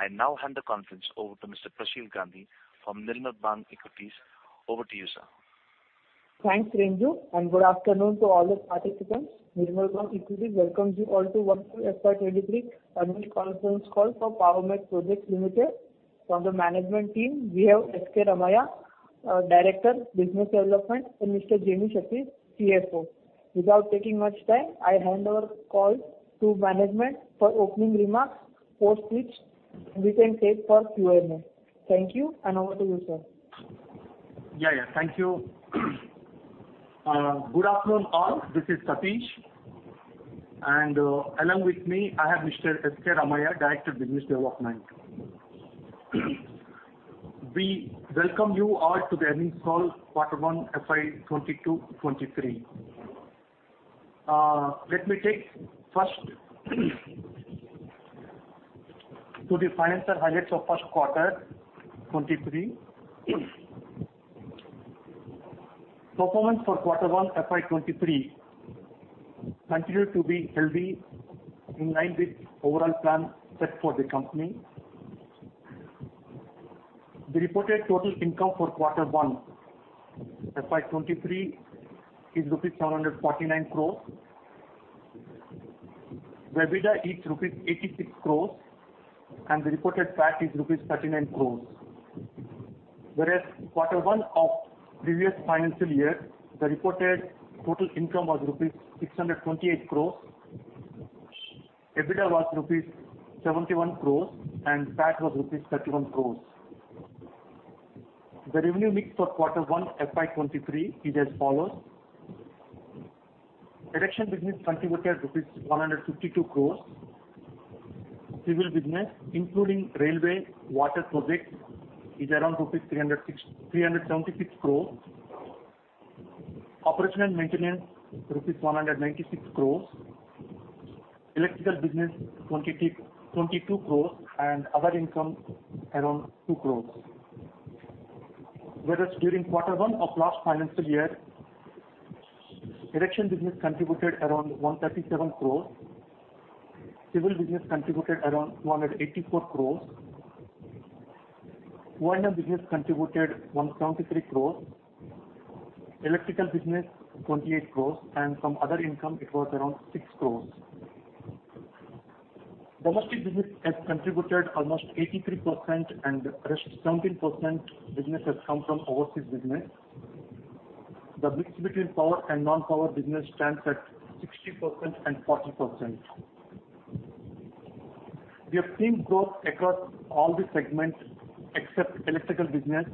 I now hand the conference over to Mr. Prasheel Gandhi from Nirmal Bang Equities. Over to you, sir. Thanks, Renju, and good afternoon to all the participants. Nirmal Bang Equities welcomes you all to one FY 2023 annual conference call for Power Mech Projects Limited. From the management team, we have S.K. Ramaiah, Director, Business Development, and Mr. Jami Satish, CFO. Without taking much time, I hand over call to management for opening remarks, for which we can take for Q&A. Thank you, and over to you, sir. Yeah, yeah. Thank you. Good afternoon, all. This is Satish, and along with me, I have Mr. S.K. Ramaiah, Director of Business Development. We welcome you all to the earnings call quarter 1, FY 2022-23. Let me take first to the financial highlights of first quarter 2023. Performance for quarter 1, FY 2023 continued to be healthy, in line with overall plan set for the company. The reported total income for quarter one, FY 2023, is rupees 749 crores. Where EBITDA is rupees 86 crores, and the reported PAT is rupees 39 crores. Whereas, quarter 1 of previous financial year, the reported total income was rupees 628 crores, EBITDA was rupees 71 crores, and PAT was rupees 31 crores. The revenue mix for quarter 1, FY 2023, is as follows: erection business contributed rupees 152 crores; civil business, including railway, water projects, is around rupees 306-376 crores; operation and maintenance, rupees 196 crores; electrical business, 22, 22 crores; and other income, around 2 crores. Whereas, during quarter 1 of last financial year, erection business contributed around 137 crores, civil business contributed around 184 crores, O&M business contributed 173 crores, electrical business, 28 crores, and from other income, it was around 6 crores. Domestic business has contributed almost 83%, and rest 17% business has come from overseas business. The mix between power and non-power business stands at 60% and 40%. We have seen growth across all the segments except electrical business,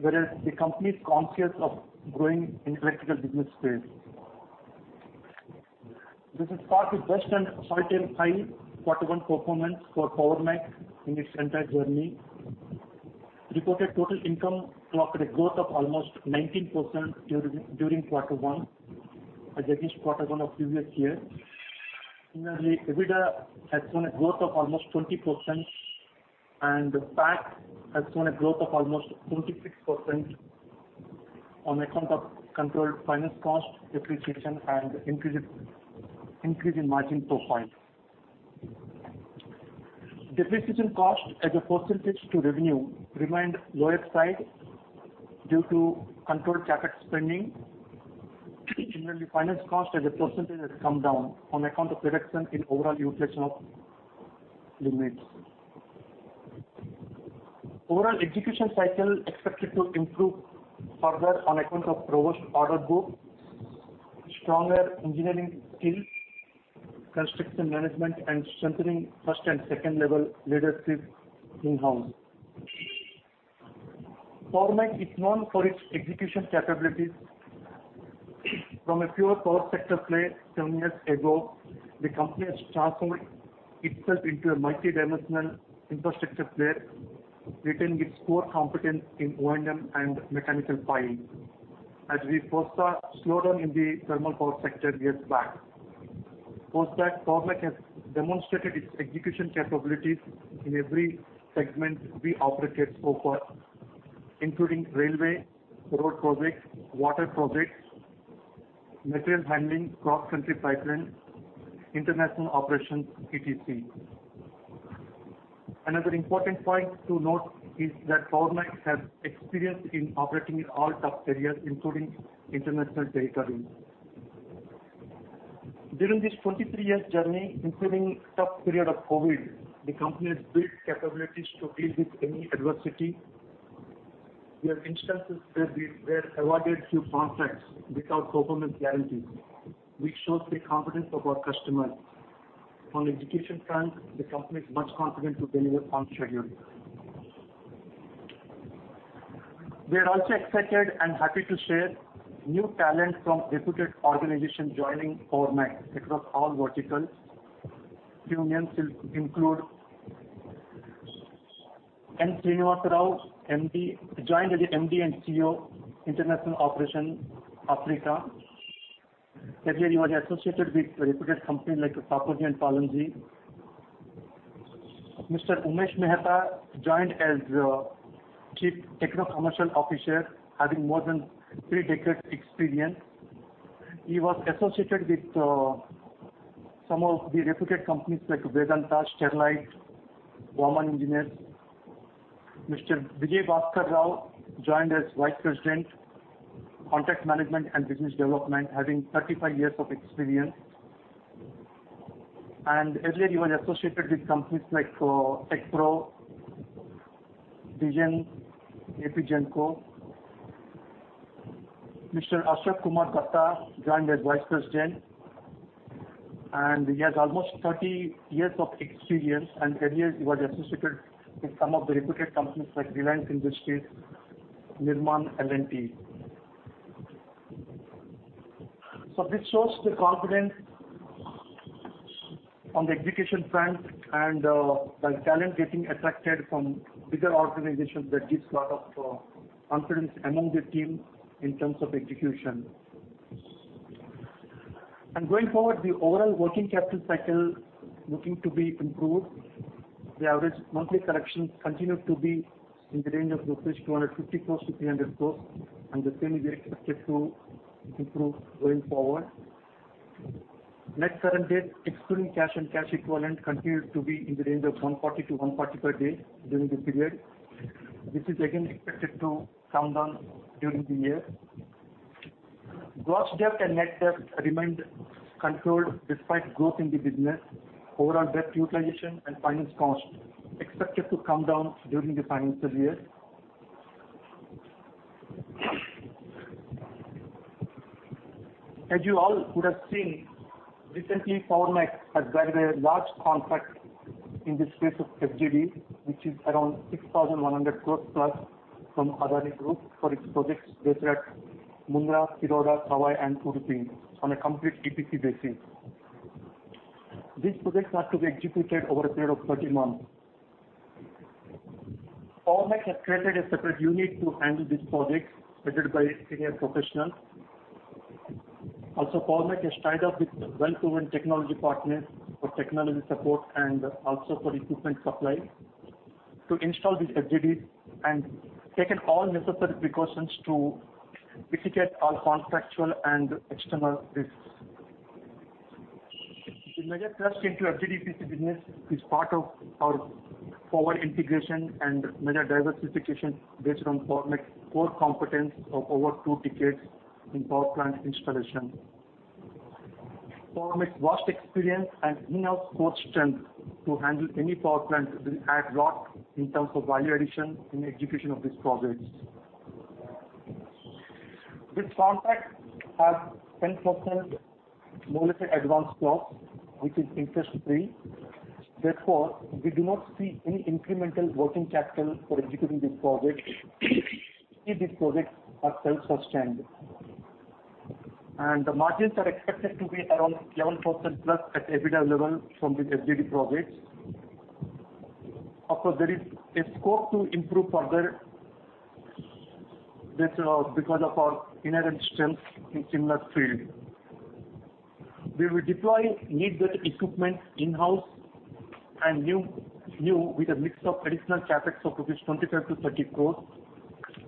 whereas the company is conscious of growing in electrical business space. This is far the best and all-time high quarter one performance for Power Mech in its entire journey. Reported total income clocked a growth of almost 19% during quarter one, as against quarter one of previous year. Similarly, EBITDA has shown a growth of almost 20%, and PAT has shown a growth of almost 26% on account of controlled finance cost, depreciation, and increase in margin profile. Depreciation cost as a percentage to revenue remained lower side due to controlled CapEx spending. Generally, finance cost as a percentage has come down on account of reduction in overall utilization of limits. Overall execution cycle expected to improve further on account of robust order book, stronger engineering skills, construction management, and strengthening first and second level leadership in-house. Power Mech is known for its execution capabilities. From a pure power sector play seven years ago, the company has transformed itself into a multidimensional infrastructure player, retaining its core competence in O&M and mechanical piping, as we foresee a slowdown in the thermal power sector years back. Post that, Power Mech has demonstrated its execution capabilities in every segment we operate so far, including railway, road projects, water projects, material handling, cross-country pipeline, international operations, etc. Another important point to note is that Power Mech has experience in operating in all tough areas, including international territories. During this 23-year journey, including tough period of COVID, the company has built capabilities to deal with any adversity, where instances where we were awarded few contracts without government guarantee, which shows the confidence of our customer. On execution front, the company is much confident to deliver on schedule. We are also excited and happy to share new talent from reputed organization joining Power Mech across all verticals. New names include N. Srinivas Rao, MD, joined as the MD and CEO, International Operations, Africa. Earlier, he was associated with reputed company like Tata and Shapoorji Pallonji. Mr. Umesh Mehta joined as Chief Techno-Commercial Officer, having more than three decades experience. He was associated with some of the reputed companies like Vedanta, Sterlite, Warman Engineers. Mr. Vijay Bhaskar Rao joined as Vice President, Contract Management and Business Development, having 35 years of experience. Earlier, he was associated with companies like, Tecpro, DGEN, APGENCO. Mr. Ashok Kumar Katta joined as Vice President, and he has almost 30 years of experience, and earlier he was associated with some of the reputed companies like Reliance Industries, Nirman L&T. This shows the confidence on the execution front and, the talent getting attracted from bigger organizations that gives lot of, confidence among the team in terms of execution. Going forward, the overall working capital cycle looking to be improved. The average monthly collections continue to be in the range of 250 crores-300 crores rupees, and the same is expected to improve going forward. Net current debt, excluding cash and cash equivalent, continues to be in the range of 140-145 days during the period, which is again expected to come down during the year. Gross debt and net debt remained controlled despite growth in the business. Overall debt utilization and finance cost expected to come down during the financial year. As you all would have seen, recently, Power Mech has bagged a large contract in the space of FGD, which is around 6,100+ crores from Adani Group for its projects based at Mundra, Tiroda, Kawai, and Udupi, on a complete EPC basis. These projects are to be executed over a period of 30 months. Power Mech has created a separate unit to handle these projects, headed by senior professionals. Also, Power Mech has tied up with well-proven technology partners for technology support and also for equipment supply to install these FGDs, and taken all necessary precautions to mitigate all contractual and external risks. The major thrust into FGD business is part of our forward integration and major diversification based on Power Mech's core competence of over two decades in power plant installation. Power Mech's vast experience and in-house core strength to handle any power plant will add a lot in terms of value addition in execution of these projects. This contract has 10% mobilization advance cost, which is interest-free. Therefore, we do not see any incremental working capital for executing this project. These projects are self-sustained. And the margins are expected to be around 11%+ at EBITDA level from the FGD projects. Of course, there is a scope to improve further. This, because of our inherent strength in similar field. We will deploy needed equipment in-house and new, new with a mix of additional CapEx of rupees 25-30 crore,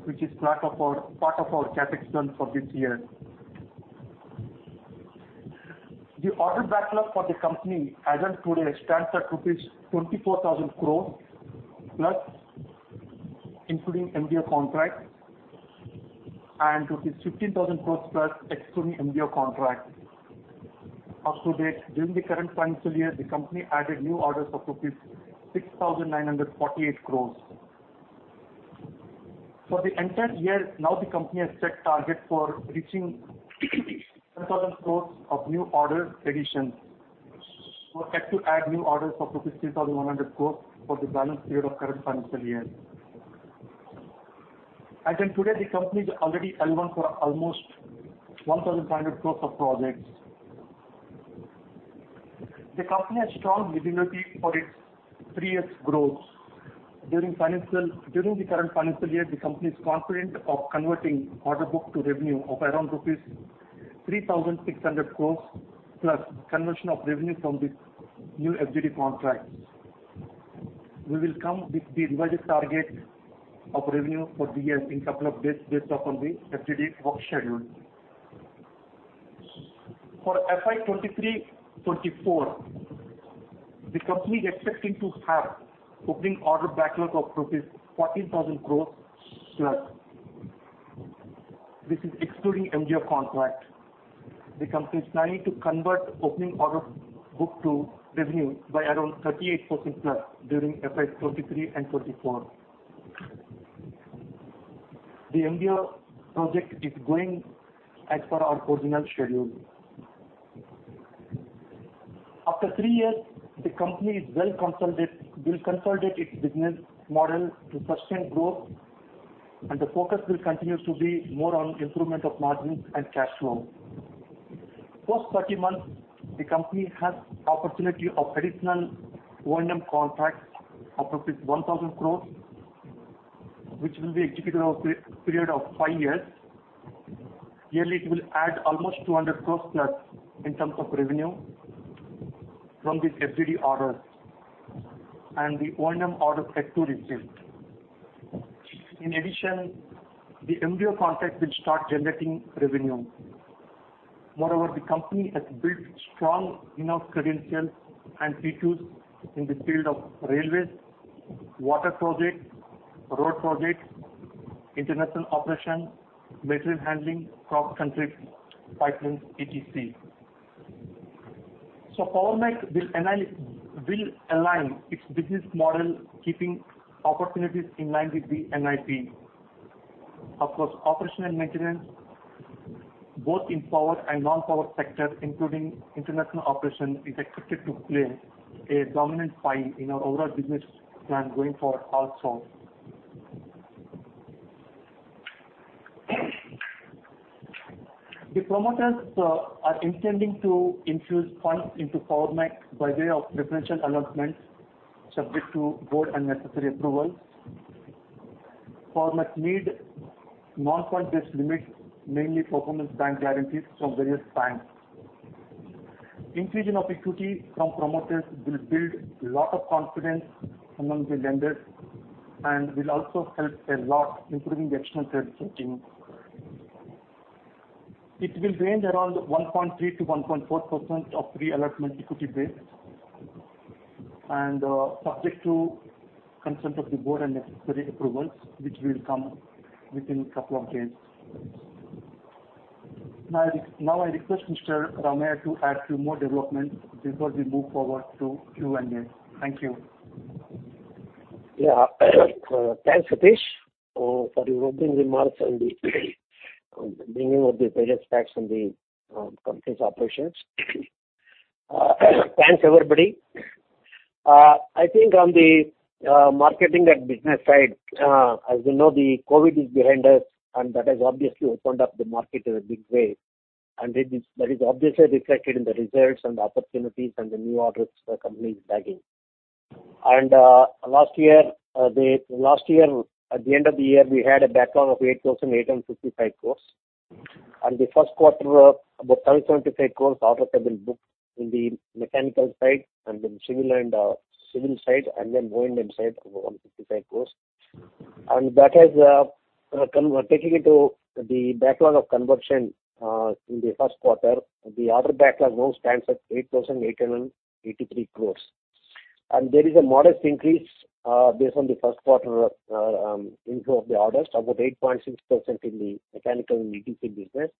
which is part of our, part of our CapEx plan for this year. The order backlog for the company as on today stands at rupees 24,000 crore+ including MDO contract, and INR 15,000 crore+, excluding MDO contract. Up to date, during the current financial year, the company added new orders of rupees 6,948 crore. For the entire year, now the company has set target for reaching 10,000 crore of new order additions. We expect to add new orders of 3,100 crore for the balance period of current financial year. As of today, the company is already overrun for almost 1,500 crores of projects. The company has strong visibility for its three years growth. During the current financial year, the company is confident of converting order book to revenue of around rupees 3,600 crores, plus conversion of revenue from the new FGD contract. We will come with the revised target of revenue for the year in couple of days based upon the FGD work schedule. For FY 2023-2024, the company is expecting to have opening order backlog of rupees 14,000 crores+. This is excluding MDO contract. The company is planning to convert opening order book to revenue by around 38%+ during FY 2023-2024. The MDO project is going as per our original schedule. After three years, the company is well consolidated—will consolidate its business model to sustain growth, and the focus will continue to be more on improvement of margins and cash flow. First 30 months, the company has opportunity of additional O&M contract of rupees 1,000 crore, which will be executed over a period of five years. Yearly, it will add almost 200 crore+ in terms of revenue from these FGD orders and the O&M orders set to receive. In addition, the MDO contract will start generating revenue. Moreover, the company has built strong enough credentials and features in the field of railways, water projects, road projects, international operations, material handling, crop, concrete, pipelines, etc. Power Mech will align its business model, keeping opportunities in line with the NIP. Of course, operational maintenance, both in power and non-power sector, including international operations, is expected to play a dominant role in our overall business plan going forward also. The promoters are intending to infuse funds into Power Mech by way of preferential allotments, subject to board and necessary approvals. Power Mech need non-fund-based limits, mainly performance bank guarantees from various banks. Increase in of equity from promoters will build a lot of confidence among the lenders, and will also help a lot, including the external credit rating. It will range around 1.3%-1.4% of pre-allotment equity base, and subject to consent of the board and necessary approvals, which will come within a couple of days. Now, now, I request Mr. Ramaiah to add few more developments before we move forward to Q&A. Thank you. Yeah. Thanks, Satish, for your opening remarks and bringing out the various facts on the company's operations. Thanks, everybody. I think on the marketing and business side, as you know, the COVID is behind us, and that has obviously opened up the market in a big way, and it is - that is obviously reflected in the results and the opportunities and the new orders the company is bagging. Last year, at the end of the year, we had a backlog of 8,855 crores. In the first quarter, about 1,075 crores orders have been booked in the mechanical side, and then civil and civil side, and then O&M side, about INR 155 crores. That has come taking into the backlog of conversion in the first quarter, the order backlog now stands at 8,883 crores. There is a modest increase based on the first quarter inflow of the orders, about 8.6% in the mechanical and EPC business.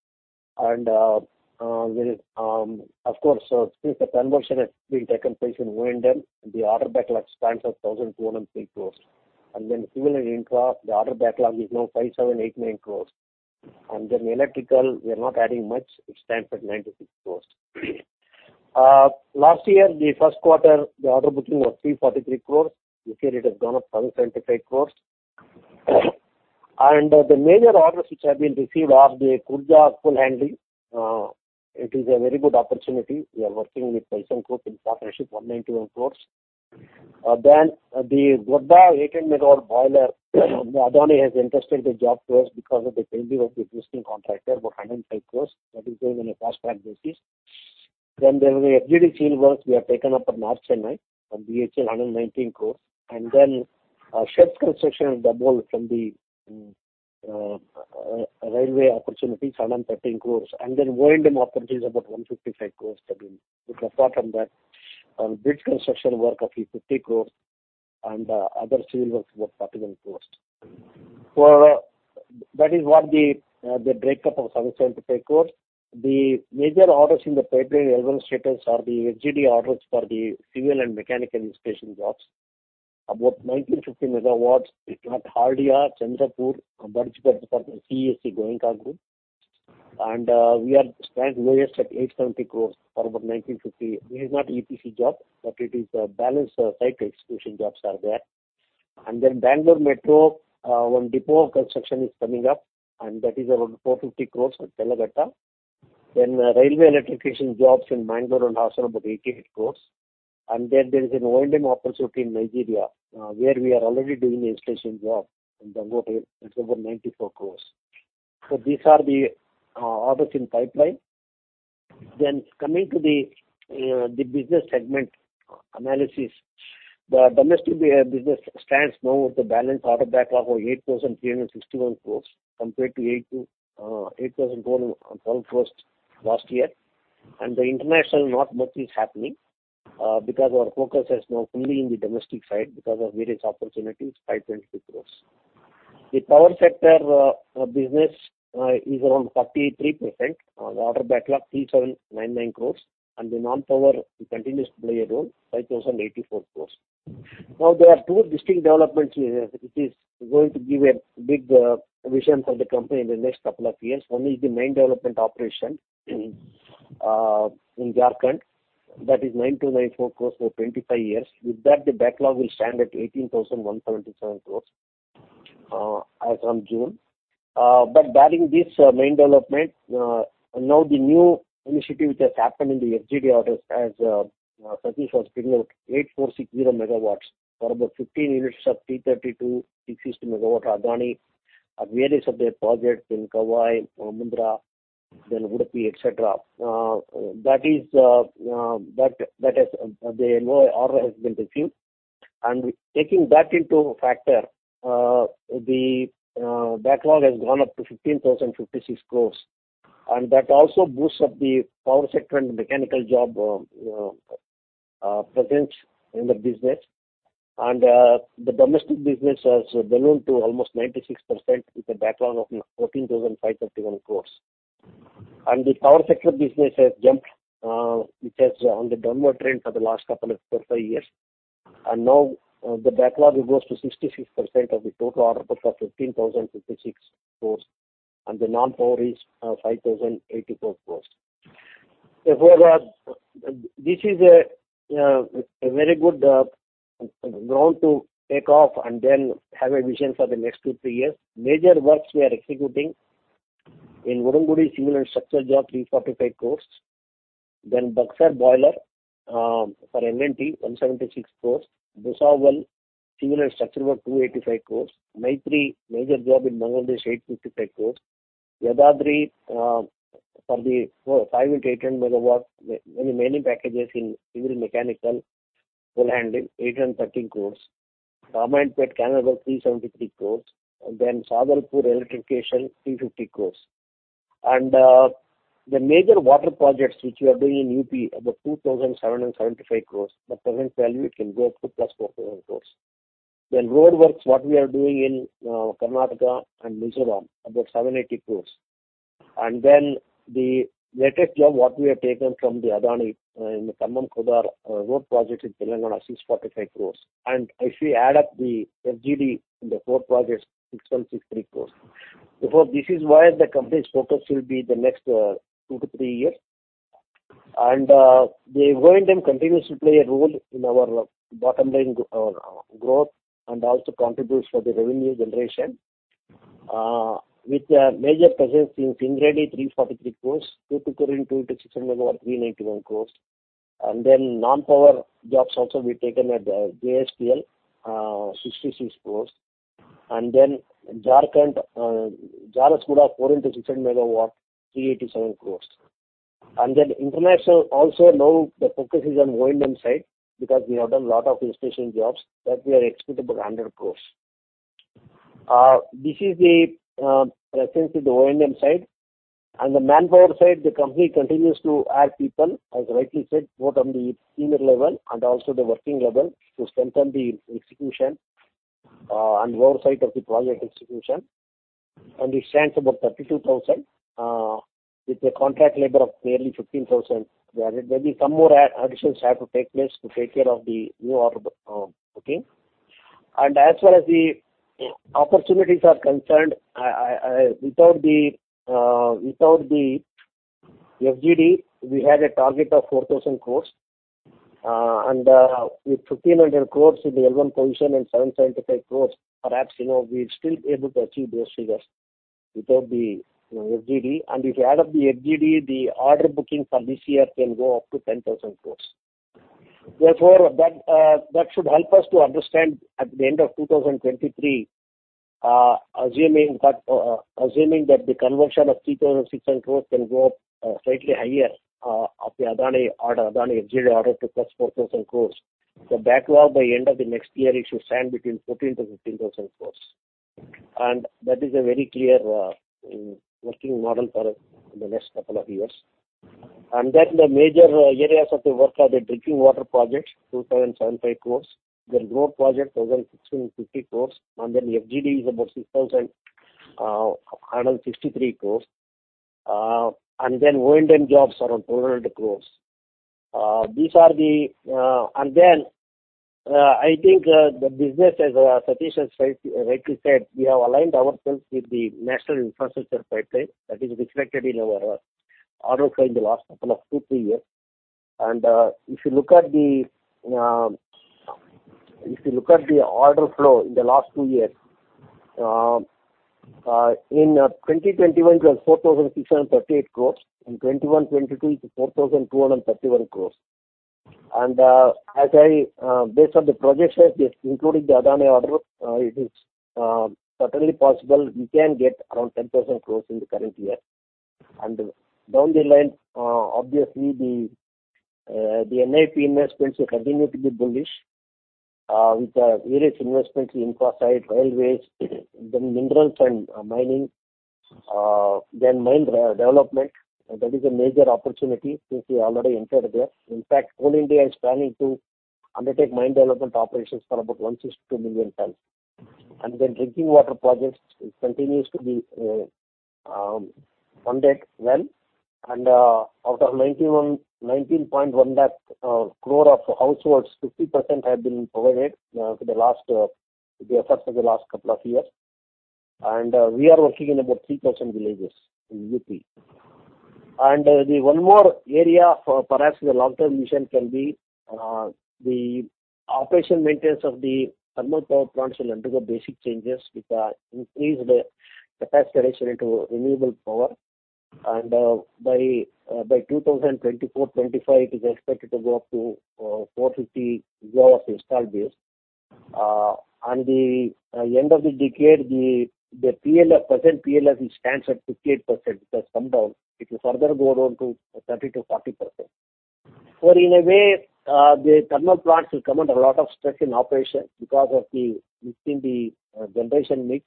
There is, of course, since the conversion has been taken place in O&M, the order backlog stands at 1,203 crores. Then civil and infra, the order backlog is now 5,789 crores. Then electrical, we are not adding much, it stands at 96 crores. Last year, the first quarter, the order booking was 343 crores. This year, it has gone up 1,075 crores. The major orders which have been received are the Khurja Coal Handling. It is a very good opportunity. We are working with Thyssenkrupp in partnership, 191 crore. Then the Godda 800 MW boiler, Adani has entrusted the job to us because of the failure of the existing contractor, about INR 105 crore. That is going on a fast-track basis. Then there is the FGD chain works we have taken up at North Chennai, from BHEL, 119 crore. And then, Shed construction, doubling from the railway opportunities, 113 crore. O&M opportunity is about 155 crore that we have got from that. Bridge construction work of 50 crore, and other civil works, about 41 crore. That is what the breakup of 775 crore. The major orders in the pipeline development status are the FGD orders for the civil and mechanical installation jobs. About 1,950 MW at Haldia, Chandrapur, and vertical department, CESC, Goenka Group. We are standing lowest at 870 crore for about 1,950. This is not an EPC job, but it is a balance site execution jobs are there. Bangalore Metro, one depot construction is coming up, and that is about 450 crore at Yelahanka. Railway electrification jobs in Bangalore and Hassan, about 88 crore. There is an O&M opportunity in Nigeria, where we are already doing the installation job in Dangote. It's about 94 crore. These are the orders in pipeline. Coming to the business segment analysis. The domestic business stands now with the balance order backlog of 8,361 crore, compared to 8,012 crore last year. And the international, not much is happening, because our focus is now fully in the domestic side because of various opportunities, 523 crore. The power sector business is around 43%. The order backlog, 3,799 crore, and the non-power continues to play a role, 5,084 crore. Now, there are two distinct developments here, which is going to give a big vision for the company in the next couple of years. One is the mine development operation in Jharkhand. That is 9,294 crore for 25 years. With that, the backlog will stand at 18,177 crore as from June. But barring this main development, now the new initiative which has happened in the FGD orders, as Satish was bringing out, 8,460 MW for about 15 units of 330, 660 MW Adani at various of their projects in Kawai, Mundra, then Udupi, etc. That is, the LOI order has been received, and taking that into factor, the backlog has gone up to 15,056 crore. And that also boosts up the power sector and mechanical job presence in the business. And the domestic business has ballooned to almost 96% with a backlog of 14,531 crore. And the power sector business has jumped, which has on the downward trend for the last couple of four, five years. Now, the backlog goes to 66% of the total order book of 15,056 crore, and the non-power is 5,084 crore. Therefore, this is a very good ground to take off and then have a vision for the next two, three years. Major works we are executing in Udangudi, civil and structural job, 345 crore. Then Buxar Boiler for NTPC, 176 crore. Bhusawal, civil and structural work, 285 crore. Maitree major job in Bangladesh, 855 crore. Yadadri, for the 5x800 MW, many packages in civil mechanical, fuel handling, INR 813 crore. Ramannapet Canal, about INR 373 crore, and then Sambalpur Electrification, 350 crore. And the major water projects, which we are doing in UP, about 2,775 crore. The present value, it can go up to +4,000 crore. Roadworks, what we are doing in Karnataka and Mizoram, about 780 crore. The latest job, what we have taken from Adani, in the Khammam Khodad road project in Telangana, 645 crore. If we add up the FGD in the four projects, 663 crore. Therefore, this is where the company's focus will be the next two to three years. The O&M continues to play a role in our bottom line growth, and also contributes for the revenue generation. With a major presence in Singareni, 343 crore; Tuticorin, 2 x 600 MW, 391 crore. Non-power jobs also we've taken at JSPL, 66 crore. Then Jharkhand, Jharsuguda, 4 x 600 MW, 387 crore. International also, now the focus is on O&M side, because we have done a lot of installation jobs that we are expecting about INR 100 crore. This is the presence of the O&M side. On the manpower side, the company continues to add people, as rightly said, both on the senior level and also the working level, to strengthen the execution and oversight of the project execution. It stands at about 32,000, with a contract labor of nearly 15,000. There may be some more additions that have to take place to take care of the new order, okay? As far as the opportunities are concerned, I, I... Without the FGD, we had a target of 4,000 crore. With 1,500 crore in the L1 position and 775 crore, perhaps, you know, we'll still be able to achieve those figures without the, you know, FGD. If you add up the FGD, the order booking for this year can go up to 10,000 crore. Therefore, that should help us to understand at the end of 2023, assuming that the conversion of 3,600 crore can go up, slightly higher, of the Adani order, Adani FGD order, to +4,000 crore. The backlog by end of the next year, it should stand between 14,000-15,000 crore. That is a very clear, you know, working model for the next couple of years. The major areas of the work are the drinking water projects, 2,075 crore. Road projects, 1,650 crore, and FGD is about 6,163 crore. O&M jobs around 1,200 crore. These are the, I think, the business, as Satish has rightly said, we have aligned ourselves with the National Infrastructure Pipeline that is reflected in our order flow in the last couple of two, three years. If you look at the order flow in the last two years, in 2021, it was 4,638 crore, in 2021-2022, it's 4,231 crore. As I based on the projects that including the Adani order, it is certainly possible we can get around 10,000 crore in the current year. Down the line, obviously, the NIP investments will continue to be bullish, with various investments in infrastructure, railways, then minerals and mining, then mine development. That is a major opportunity, since we already entered there. In fact, Coal India is planning to undertake mine development operations for about 1-2 million tons. And then drinking water projects continues to be funded well. Out of 91, 19.1 lakh crore of households, 50% have been provided for the last, the effects of the last couple of years. We are working in about 3,000 villages in UP. The one more area for, perhaps, the long-term vision can be, the operation maintenance of the thermal power plants will undergo basic changes with increased capacity into renewable power... and, by 2024-25, it is expected to go up to 450 GW installed base. And the end of the decade, the PLF, present PLF, it stands at 58%. It has come down. It will further go down to 30%-40%. But in a way, the thermal plants will come under a lot of stress in operation because of the generation mix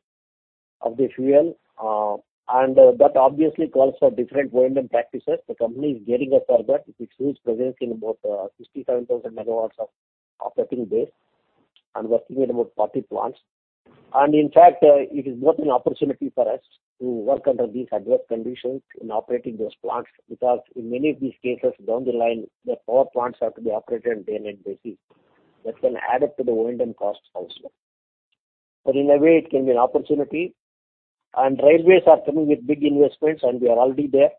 of the fuel. And that obviously calls for different O&M practices. The company is getting a further, it's huge presence in about 67,000 MW of operating base and working in about 30 plants. In fact, it is not an opportunity for us to work under these adverse conditions in operating those plants, because in many of these cases, down the line, the power plants have to be operated on a day-and-night basis. That can add up to the O&M costs also. In a way, it can be an opportunity, and railways are coming with big investments, and we are already there.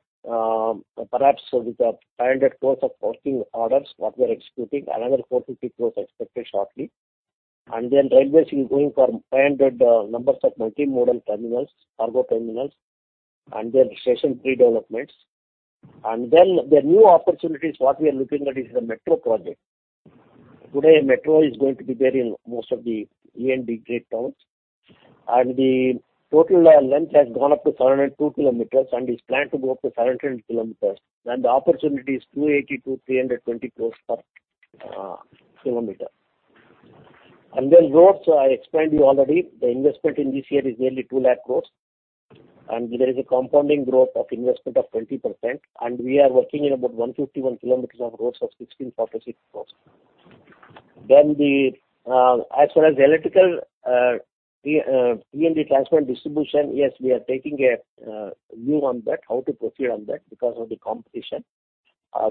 Perhaps with the INR 500 crore of working orders, what we are executing, another 450 crore expected shortly. Railways is going for 500 numbers of multimodal terminals, cargo terminals, and then station pre-developments. The new opportunities, what we are looking at is the metro project. Today, metro is going to be there in most of the A&D grade towns, and the total length has gone up to 702 km, and is planned to go up to 700 km. The opportunity is 280 crore-320 crore per km. Roads, I explained to you already, the investment in this year is nearly 200,000 crore, and there is a compounding growth of investment of 20%, and we are working in about 151 km of roads of 1,646 crore. As far as the electrical P&D transfer and distribution, yes, we are taking a view on that, how to proceed on that, because of the competition.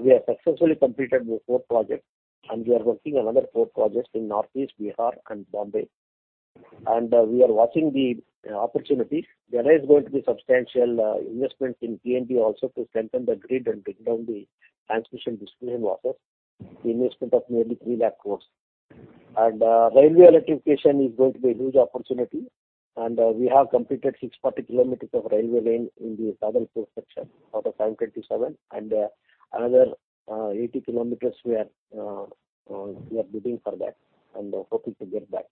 We have successfully completed the four projects, and we are working another four projects in Northeast Bihar and Bombay. We are watching the opportunities. There is going to be substantial investment in P&D also to strengthen the grid and bring down the transmission distribution losses, the investment of nearly 300,000 crore. Railway electrification is going to be a huge opportunity, and we have completed 640 km of railway lane in the southern port section, out of 527, and another 80 km we are bidding for that and hoping to get that.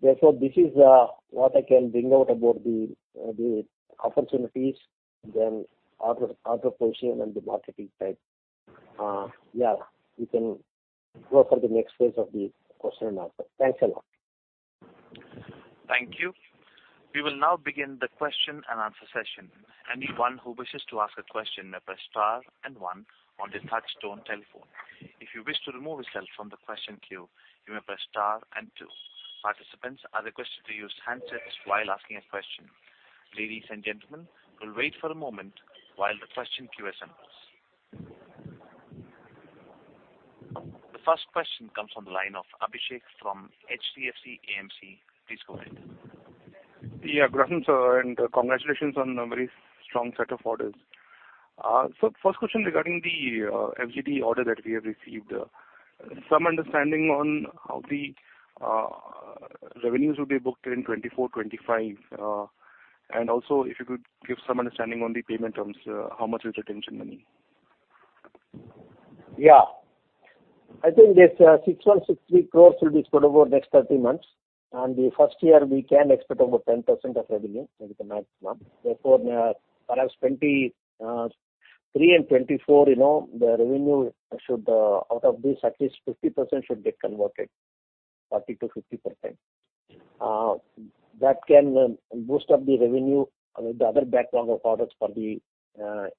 Therefore, this is what I can bring out about the opportunities, then auto, auto portion and the marketing side. Yeah, we can go for the next phase of the question-and-answer. Thanks a lot. Thank you. We will now begin the question-and-answer session. Anyone who wishes to ask a question, may press star and one on the touchtone telephone. If you wish to remove yourself from the question queue, you may press star and two. Participants are requested to use handsets while asking a question. Ladies and gentlemen, we'll wait for a moment while the question queue assembles. The first question comes from the line of Abhishek from HDFC AMC. Please go ahead. Yeah, good afternoon, sir, and congratulations on a very strong set of orders. First question regarding the FGD order that we have received. Some understanding on how the revenues will be booked in 2024, 2025? Also, if you could give some understanding on the payment terms, how much is the retention money? Yeah. I think this 6,160 crore will be spread over the next 30 months, and the first year, we can expect about 10% of revenue, that is the maximum. Therefore, perhaps 2023 and 2024, you know, the revenue should, out of this, at least 50% should be converted, 30%-50%. That can boost up the revenue and the other backlog of products for the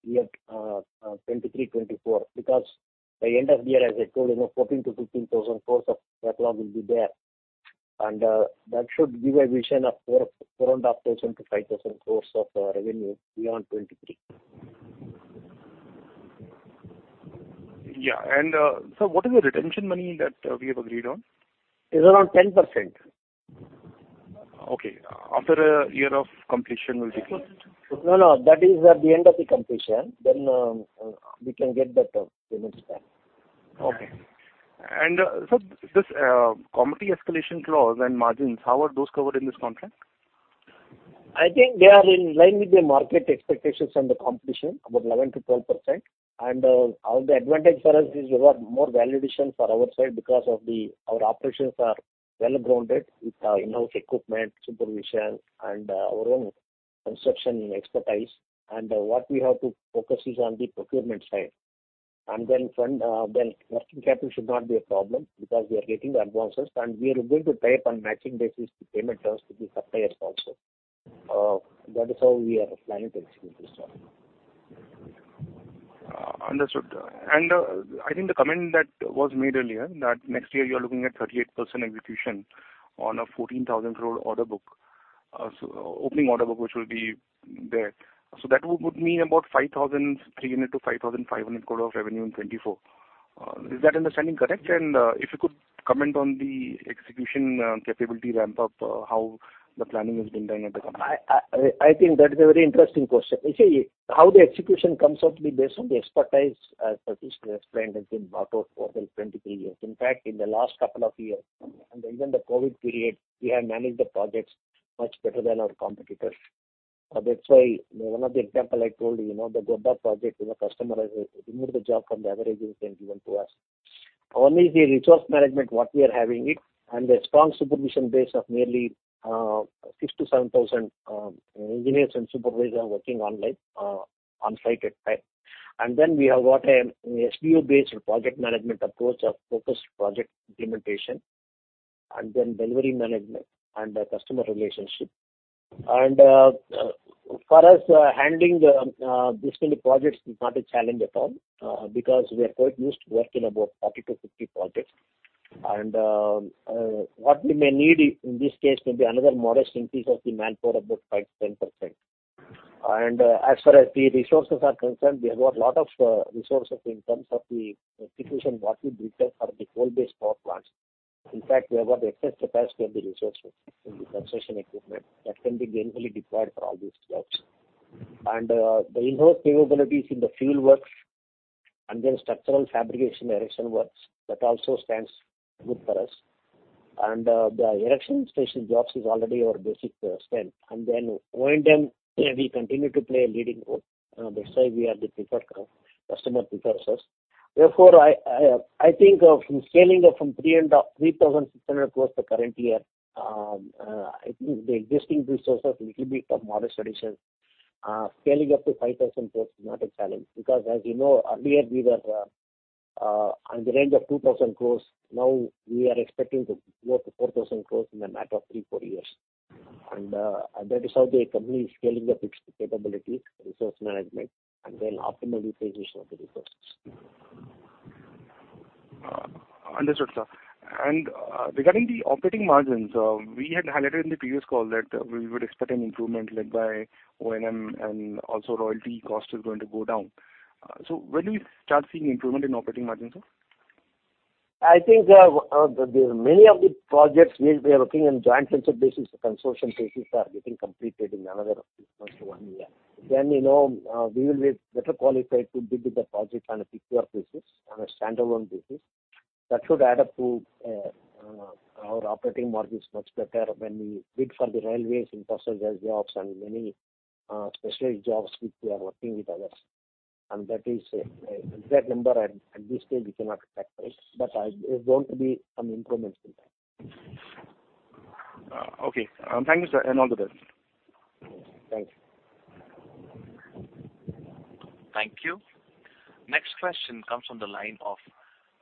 year 2023-2024, because by end of the year, as I told you, you know, 14,000-15,000 crore of backlog will be there. That should give a vision of 4,000-4,500 crore to 5,000 crore of revenue beyond 2023. Yeah, and, so what is the retention money that we have agreed on? It's around 10%. Okay. After a year of completion, we'll be- No, no, that is at the end of the completion, then, we can get that, payment time. Okay. And, so this, commodity escalation clause and margins, how are those covered in this contract? I think they are in line with the market expectations and the competition, about 11%-12%. Our, the advantage for us is we have more value addition for our side because of the, our operations are well-grounded with, in-house equipment, supervision, and, our own construction expertise. What we have to focus is on the procurement side. Then fund, well, working capital should not be a problem because we are getting the advances, and we are going to tie up on matching basis the payment terms to the suppliers also. That is how we are planning to execute this one. Understood. I think the comment that was made earlier, that next year you are looking at 38% execution on a 14,000 crore order book, opening order book, which will be there. That would mean about 5,300-5,500 crore of revenue in 2024. Is that understanding correct? If you could comment on the execution capability ramp up, how the planning has been done at the company? I think that is a very interesting question. You see, how the execution comes out to be based on the expertise, as Satish explained, has been about over 23 years. In fact, in the last couple of years, and even the COVID period, we have managed the projects much better than our competitors. That's why one of the example I told you, you know, the Godda project, you know, customer has removed the job from the other agencies given to us... only the resource management what we are having it, and a strong supervision base of nearly, 6,000-7,000 engineers and supervisors are working online, on-site at time. And then we have got an SBU-based project management approach of focused project implementation, and then delivery management and customer relationship. For us, handling these many projects is not a challenge at all, because we are quite used to working about 40-50 projects. What we may need in this case may be another modest increase of the manpower, about 5%-10%. As far as the resources are concerned, we have got a lot of resources in terms of the execution, what we built up for the coal-based power plants. In fact, we have got the excess capacity of the resources in the construction equipment that can be gainfully deployed for all these jobs. The in-house capabilities in the field works and then structural fabrication, erection works, that also stands good for us. The erection station jobs is already our basic strength. O&M, we continue to play a leading role, that's why we are the preferred customer prefers us. Therefore, I think, from scaling up from 3,600 crore the current year, I think the existing resources, little bit of modest additions, scaling up to 5,000 crore is not a challenge. Because as you know, earlier, we were on the range of 2,000 crore. Now, we are expecting to go up to 4,000 crore in a matter of three, four years. That is how the company is scaling up its capability, resource management, and then optimal utilization of the resources. Understood, sir. Regarding the operating margins, we had highlighted in the previous call that we would expect an improvement led by O&M, and also royalty costs are going to go down. When do we start seeing improvement in operating margins, sir? I think there are many of the projects we are working on joint venture basis, consortium basis, are getting completed in another six months to one year. You know, we will be better qualified to bid the project on a PQR basis, on a standalone basis. That should add up to our operating margins much better when we bid for the railways in passenger jobs and many specialist jobs which we are working with others. That is an exact number, at this stage, we cannot expect it, but there's going to be some improvements in that. Okay. Thank you, sir, and all the best. Thank you. Thank you. Next question comes from the line of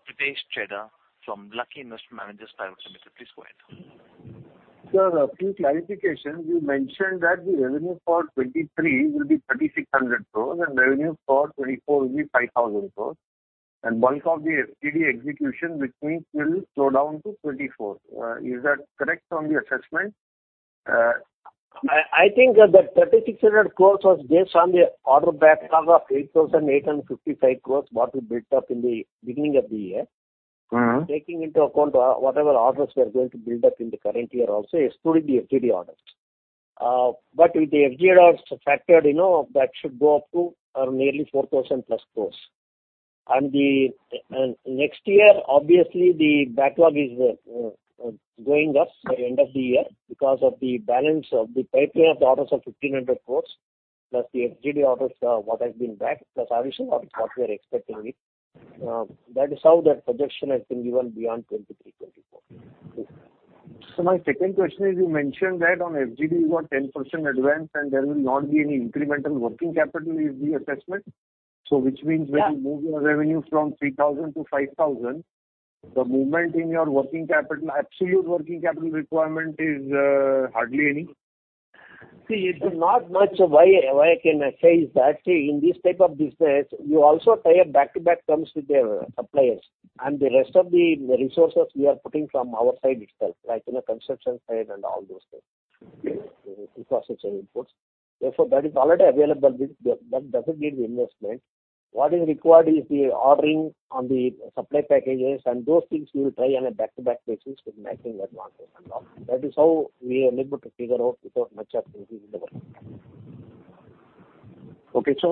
Pritesh Chedda from Lucky Investment Managers Private Limited. Please go ahead. Sir, a few clarifications. You mentioned that the revenue for 2023 will be 3,600 crores, and revenue for 2024 will be 5,000 crores, and bulk of the FGD execution, which means will slow down to 2024. Is that correct on the assessment? I think that the 3,600 crore was based on the order backlog of 8,855 crore, what we built up in the beginning of the year. Mm-hmm. Taking into account, whatever orders we are going to build up in the current year also, excluding the FGD orders. With the FGD orders factored, you know, that should go up to nearly 4,000 crore+. Next year, obviously, the backlog is going up by end of the year because of the balance of the pipeline of the orders of 1,500 crore, plus the FGD orders, what has been backed, plus additional orders, what we are expecting it. That is how that projection has been given beyond 2023-2024. So my second question is, you mentioned that on FGD, you got 10% advance, and there will not be any incremental working capital is the assessment. So which means- Yeah. When you move your revenue from 3,000-5,000, the movement in your working capital, absolute working capital requirement is hardly any? See, it is not much. Why, why I can say is that, see, in this type of business, you also tie a back-to-back terms with your suppliers, and the rest of the resources we are putting from our side itself, like in a construction side and all those things, infrastructure inputs. Therefore, that is already available. That, that doesn't need investment. What is required is the ordering on the supply packages, and those things we will tie on a back-to-back basis with matching advance and all. That is how we are able to figure out without much of increase in the working capital. Okay. So,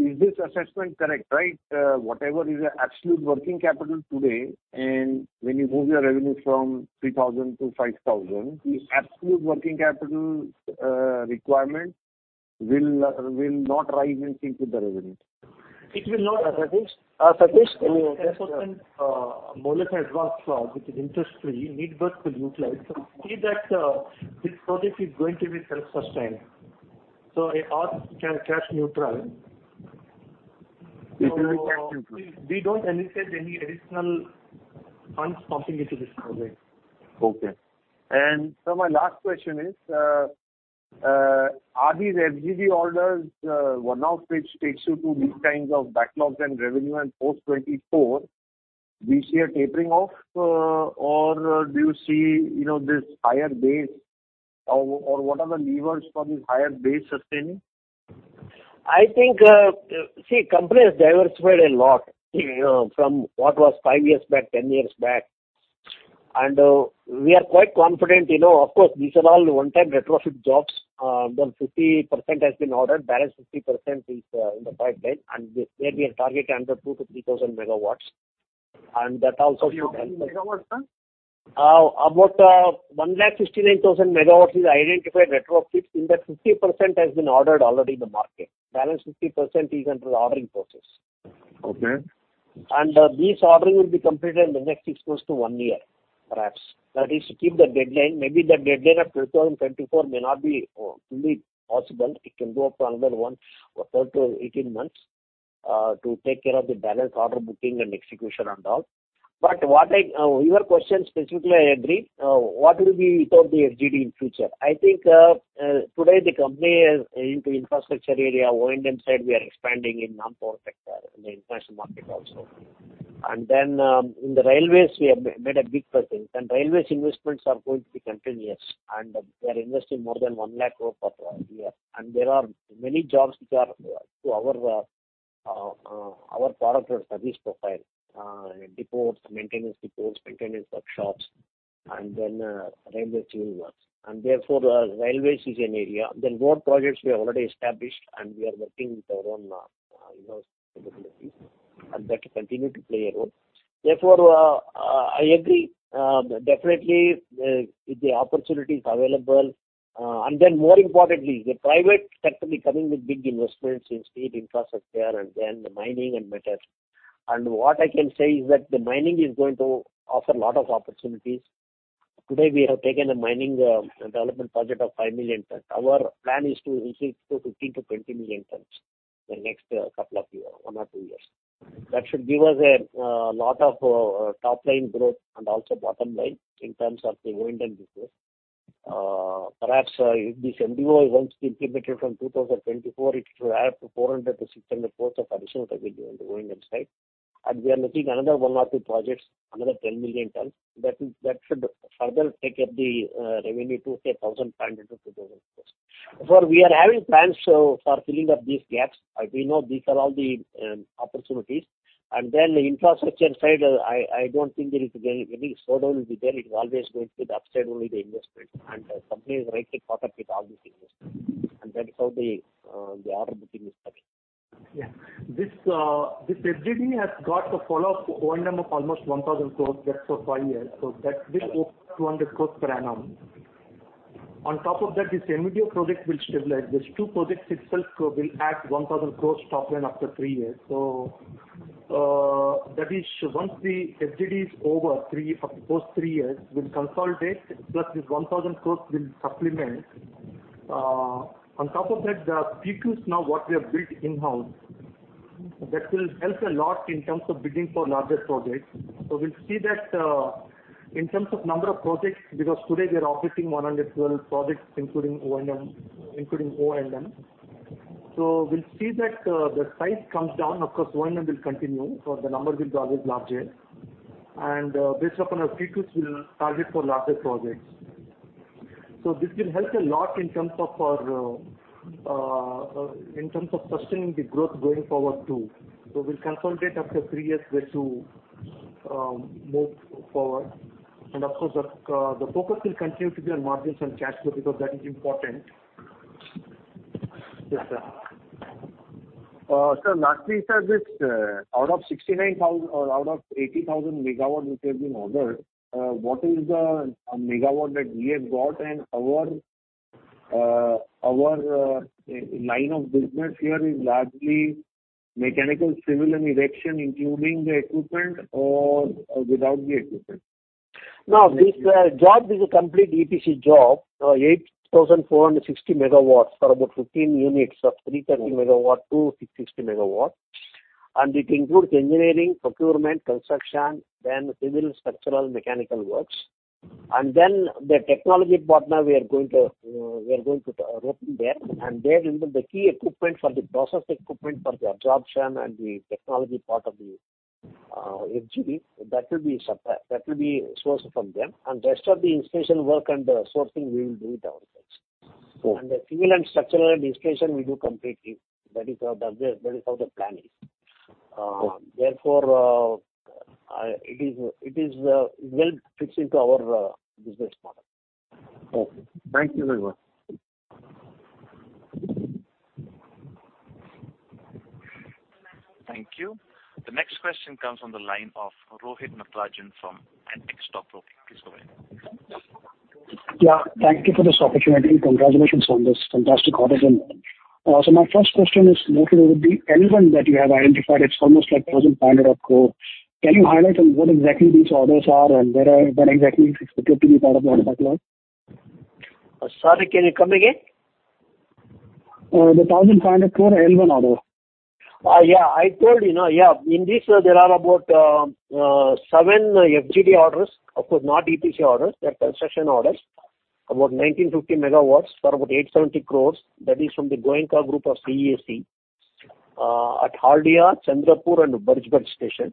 is this assessment correct, right? Whatever is the absolute working capital today, and when you move your revenue from 3,000-5,000, the absolute working capital requirement will not rise in sync with the revenue? It will not- Satish, Molik has asked for, which is interest-free, need work to utilize. So see that this project is going to be self-sustained. So it all can cash neutral. It will be cash neutral. We don't anticipate any additional funds pumping into this project. Okay. And sir, my last question is, are these FGD orders, one-off, which takes you to these kinds of backlogs and revenue? And post 2024, do you see a tapering off, or do you see, you know, this higher base, or, or what are the levers for this higher base sustaining? I think, see, company has diversified a lot, you know, from what was five years back, 10 years back, and, we are quite confident, you know. Of course, these are all one-time retrofit jobs. Then 50% has been ordered, balance 50% is, in the pipeline, and there we are targeting under 2,000-3,000 MW, and that also- 3,000 MW, sir?... about 169,000 MW is identified retrofits. In that, 50% has been ordered already in the market. Balance 50% is under the ordering process. Okay. This ordering will be completed in the next six months to one year, perhaps. That is to keep the deadline. Maybe the deadline of 2024 may not be fully possible. It can go up to another one, or 12-18 months, to take care of the balance order, booking, and execution and all. But what I—your question specifically, I agree, what will be without the FGD in future? I think, today the company is into infrastructure area, O&M side, we are expanding in non-power sector, in the international market also. And then, in the railways, we have made a big presence, and railways investments are going to be continuous, and we are investing more than 100,000 crore per year. There are many jobs which are to our product or service profile, depots, maintenance depots, maintenance workshops, and then railway train works. Therefore, I agree, definitely, the opportunity is available. And then more importantly, the private sector will be coming with big investments in state infrastructure and then the mining and metals. And what I can say is that the mining is going to offer a lot of opportunities. Today, we have taken a mining development project of 5 million tons. Our plan is to increase it to 15-20 million tons the next couple of years, one or two years. That should give us a lot of top line growth and also bottom line in terms of the O&M business. Perhaps, if this MDO is once implemented from 2024, it should add up to 400-600 crores of additional revenue on the O&M side. We are looking at another one or two projects, another 10 million tons, that should further take up the revenue to, say, 1,500-2,000 crores rupees. So we are having plans so for filling up these gaps, but we know these are all the opportunities. Then the infrastructure side, I don't think there is any slowdown will be there. It's always going to be the upside only the investment, and the company is rightly caught up with all these investments, and that is how the order booking is coming. Yeah. This, this FGD has got a follow-up O&M of almost 1,000 crore, that's for five years. So that's almost 200 crore per annum. On top of that, this MDO project will stabilize. These two projects itself will add 1,000 crore top line after three years. So, that is, once the FGD is over, three, for those three years, we'll consolidate, plus this 1,000 crore will supplement. On top of that, the BoPs now, what we have built in-house, that will help a lot in terms of bidding for larger projects. So we'll see that, in terms of number of projects, because today we are operating 112 projects, including O&M, including O&M. So we'll see that, the size comes down. Of course, O&M will continue, so the number will be always larger. Based upon our PQs, we'll target for larger projects. So this will help a lot in terms of our, in terms of sustaining the growth going forward, too. So we'll consolidate after three years where to, move forward. And of course, the, the focus will continue to be on margins and cash flow, because that is important. Yes, sir. So lastly, sir, this, out of 69,000 or out of 80,000 MW which have been ordered, what is the MW that we have got? And our line of business here is largely mechanical, civil, and erection, including the equipment or without the equipment? Now, this job is a complete EPC job, 8,460 MW for about 15 units of 330 MW-660 MW. It includes engineering, procurement, construction, then civil, structural, mechanical works. The technology partner, we are going to open there, and there in the key equipment for the process, equipment for the absorption and the technology part of the FGD, that will be supplied, that will be sourced from them. The rest of the installation work and the sourcing, we will do it ourselves. Cool. The civil and structural installation, we do completely. That is how the plan is. Cool. Therefore, it is well fixed into our business model. Okay. Thank you very much. Thank you. The next question comes from the line of Rohit Natarajan from Antique Stock Broking. Please go ahead. Yeah, thank you for this opportunity. Congratulations on this fantastic orders in hand. So my first question is related with the L1 that you have identified, it's almost like 1,500 crore. Can you highlight on what exactly these orders are and where are, when exactly it's expected to be part of the backlog? Sorry, can you come again? the 1,500 crore L1 order. Yeah, I told you, you know, yeah. In this, there are about seven FGD orders, of course, not EPC orders, they're construction orders, about 1,950 MW for about 870 crore. That is from the Goenka Group of CESC, at Haldia, Chandrapur, and Birzebbuga station,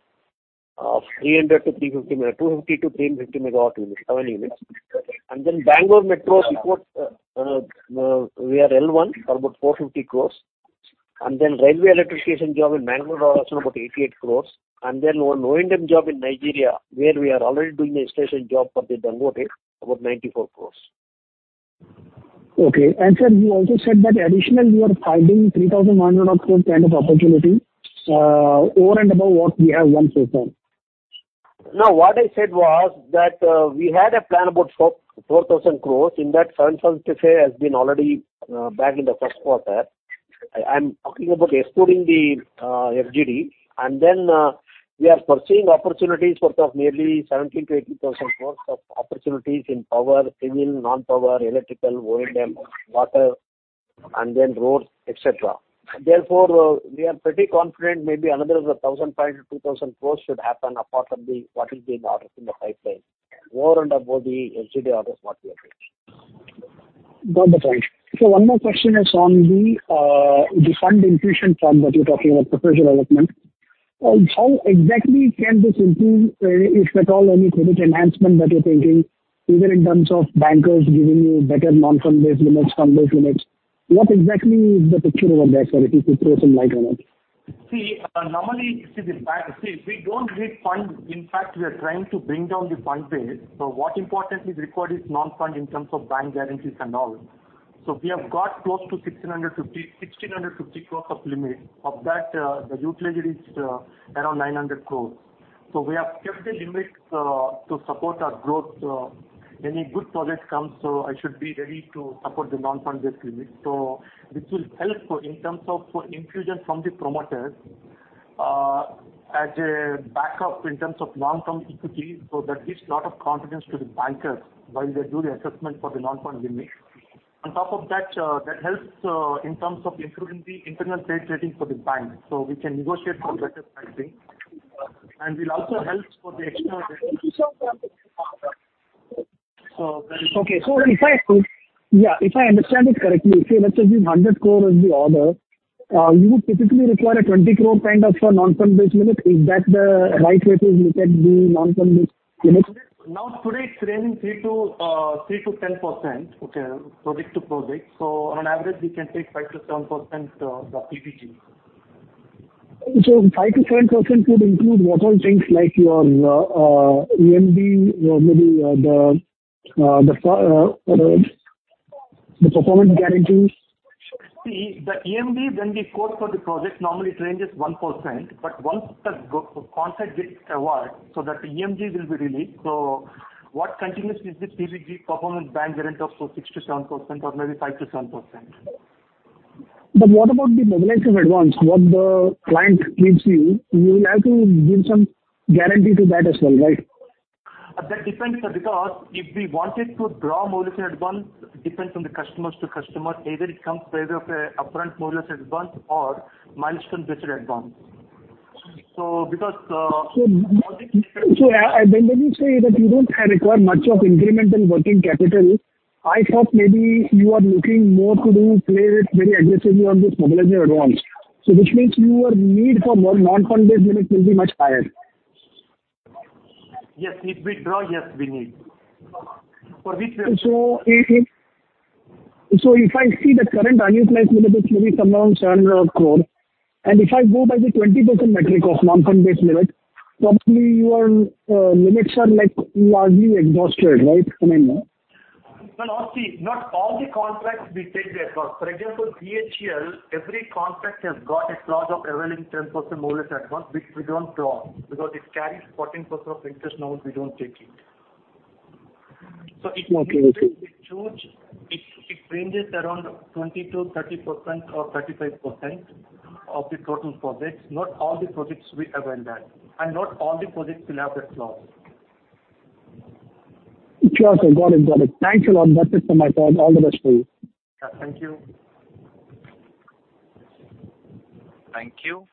250-350 MW units, seven units. And then Bangalore Metro project, we are L1 for about 450 crore. And then railway electrification job in Bangalore, about 88 crore. And then one O&M job in Nigeria, where we are already doing the installation job for the Dangote, about 94 crore.... Okay. And sir, you also said that additionally, you are finding 3,100 crore kind of opportunity over and above what we have won so far. No, what I said was that we had a plan about 4,000 crore. In that, 700 crore has been already bagged in the first quarter. I'm talking about excluding the FGD, and then we are pursuing opportunities worth nearly 17,000-18,000 crore of opportunities in power, civil, non-power, electrical, OEM, water, and then roads, et cetera. Therefore, we are pretty confident maybe another 1,500-2,000 crore should happen apart from what is the orders in the pipeline, over and above the FGD orders what we are getting. Got the point. One more question is on the fund infusion fund that you're talking about, professional development. How exactly can this improve, if at all, any credit enhancement that you're thinking, even in terms of bankers giving you better non-fund-based limits, fund-based limits? What exactly is the picture over there, sir, if you could throw some light on it? Normally, we don't need funds. In fact, we are trying to bring down the fund base. So what importantly is required is non-fund in terms of bank guarantees and all. So we have got close to 1,650 crore of limit. Of that, the utility is around 900 crore. So we have kept the limits to support our growth. Any good project comes, so I should be ready to support the non-fund-based limit. So this will help in terms of inclusion from the promoters as a backup in terms of long-term equity, so that gives a lot of confidence to the bankers while they do the assessment for the non-fund limit. On top of that, that helps in terms of improving the internal trade rating for the bank, so we can negotiate for better pricing. And will also help for the external- Okay. So if I, yeah, if I understand it correctly, say let's say this 100 crore is the order, you would typically require a 20 crore kind of a non-fund-based limit. Is that the right way to look at the non-fund-based limit? Now, today, it's ranging 3%-10%. Okay. -project to project, so on average, we can take 5%-7%, the PBG. So 5%-7% would include what all things like your EMD, or maybe the performance guarantees? See, the EMD, when we quote for the project, normally it ranges 1%, but once the go, contract gets award, so that EMD will be released. So what continues is the PBG, performance bank guarantee of so 6%-7% or maybe 5%-7%. What about the mobilization advance? What the client gives you, you will have to give some guarantee to that as well, right? That depends, sir, because if we wanted to draw mobilization advance, it depends on the customers to customer. Either it comes in way of a upfront mobilization advance or milestone-based advance. So because, So, when you say that you don't require much of incremental working capital, I thought maybe you are looking more to do play with very aggressively on this mobilization advance. So which means your need for more non-fund-based limit will be much higher. Yes, if we draw, yes, we need. For which- So if I see the current annualized limit is maybe somewhere around 700 crore, and if I go by the 20% metric of non-fund-based limit, probably your limits are, like, largely exhausted, right? I mean... Well, now, see, not all the contracts we take the advance. For example, BHEL, every contract has got a clause of availing 10% mobilization advance, which we don't draw, because it carries 14% of interest now, we don't take it. So it- Okay, okay. It ranges around 20%-30% or 35% of the total projects. Not all the projects we avail that, and not all the projects will have that clause. Sure, sir. Got it, got it. Thanks a lot. That's it from my side. All the best to you. Yeah, thank you. Thank you.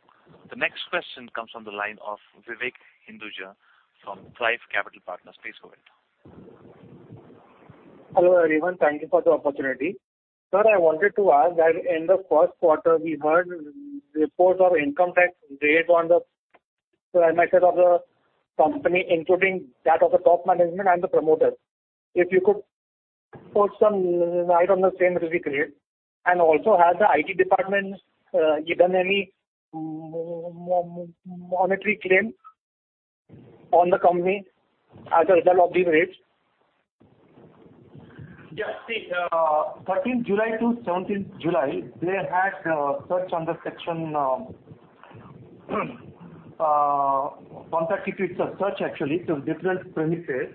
The next question comes from the line of Vivek Hinduja from Thrive Capital Partners. Please go ahead. Hello, everyone. Thank you for the opportunity. Sir, I wanted to ask that in the first quarter, we heard reports of income tax raid on the, so I might say, of the company, including that of the top management and the promoters. If you could put some light on the same as we create, and also, has the IT department given any monetary claim on the company as a result of the raids? Yeah, see, thirteenth July to seventeenth July, they had search under Section. It's a search, actually, so different premises.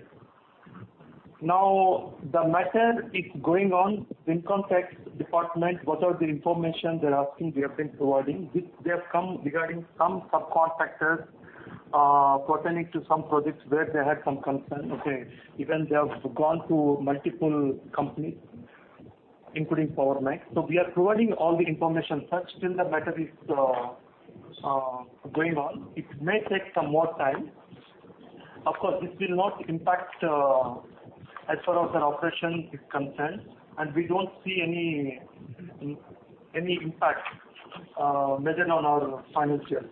Now, the matter is going on. Income Tax Department, whatever the information they're asking, we have been providing. Which they have come regarding some subcontractors, pertaining to some projects where they had some concern, okay. Even they have gone to multiple companies, including Power Mech. So we are providing all the information search. Still, the matter is going on. It may take some more time. Of course, this will not impact, as far as our operation is concerned, and we don't see any impact measured on our financials.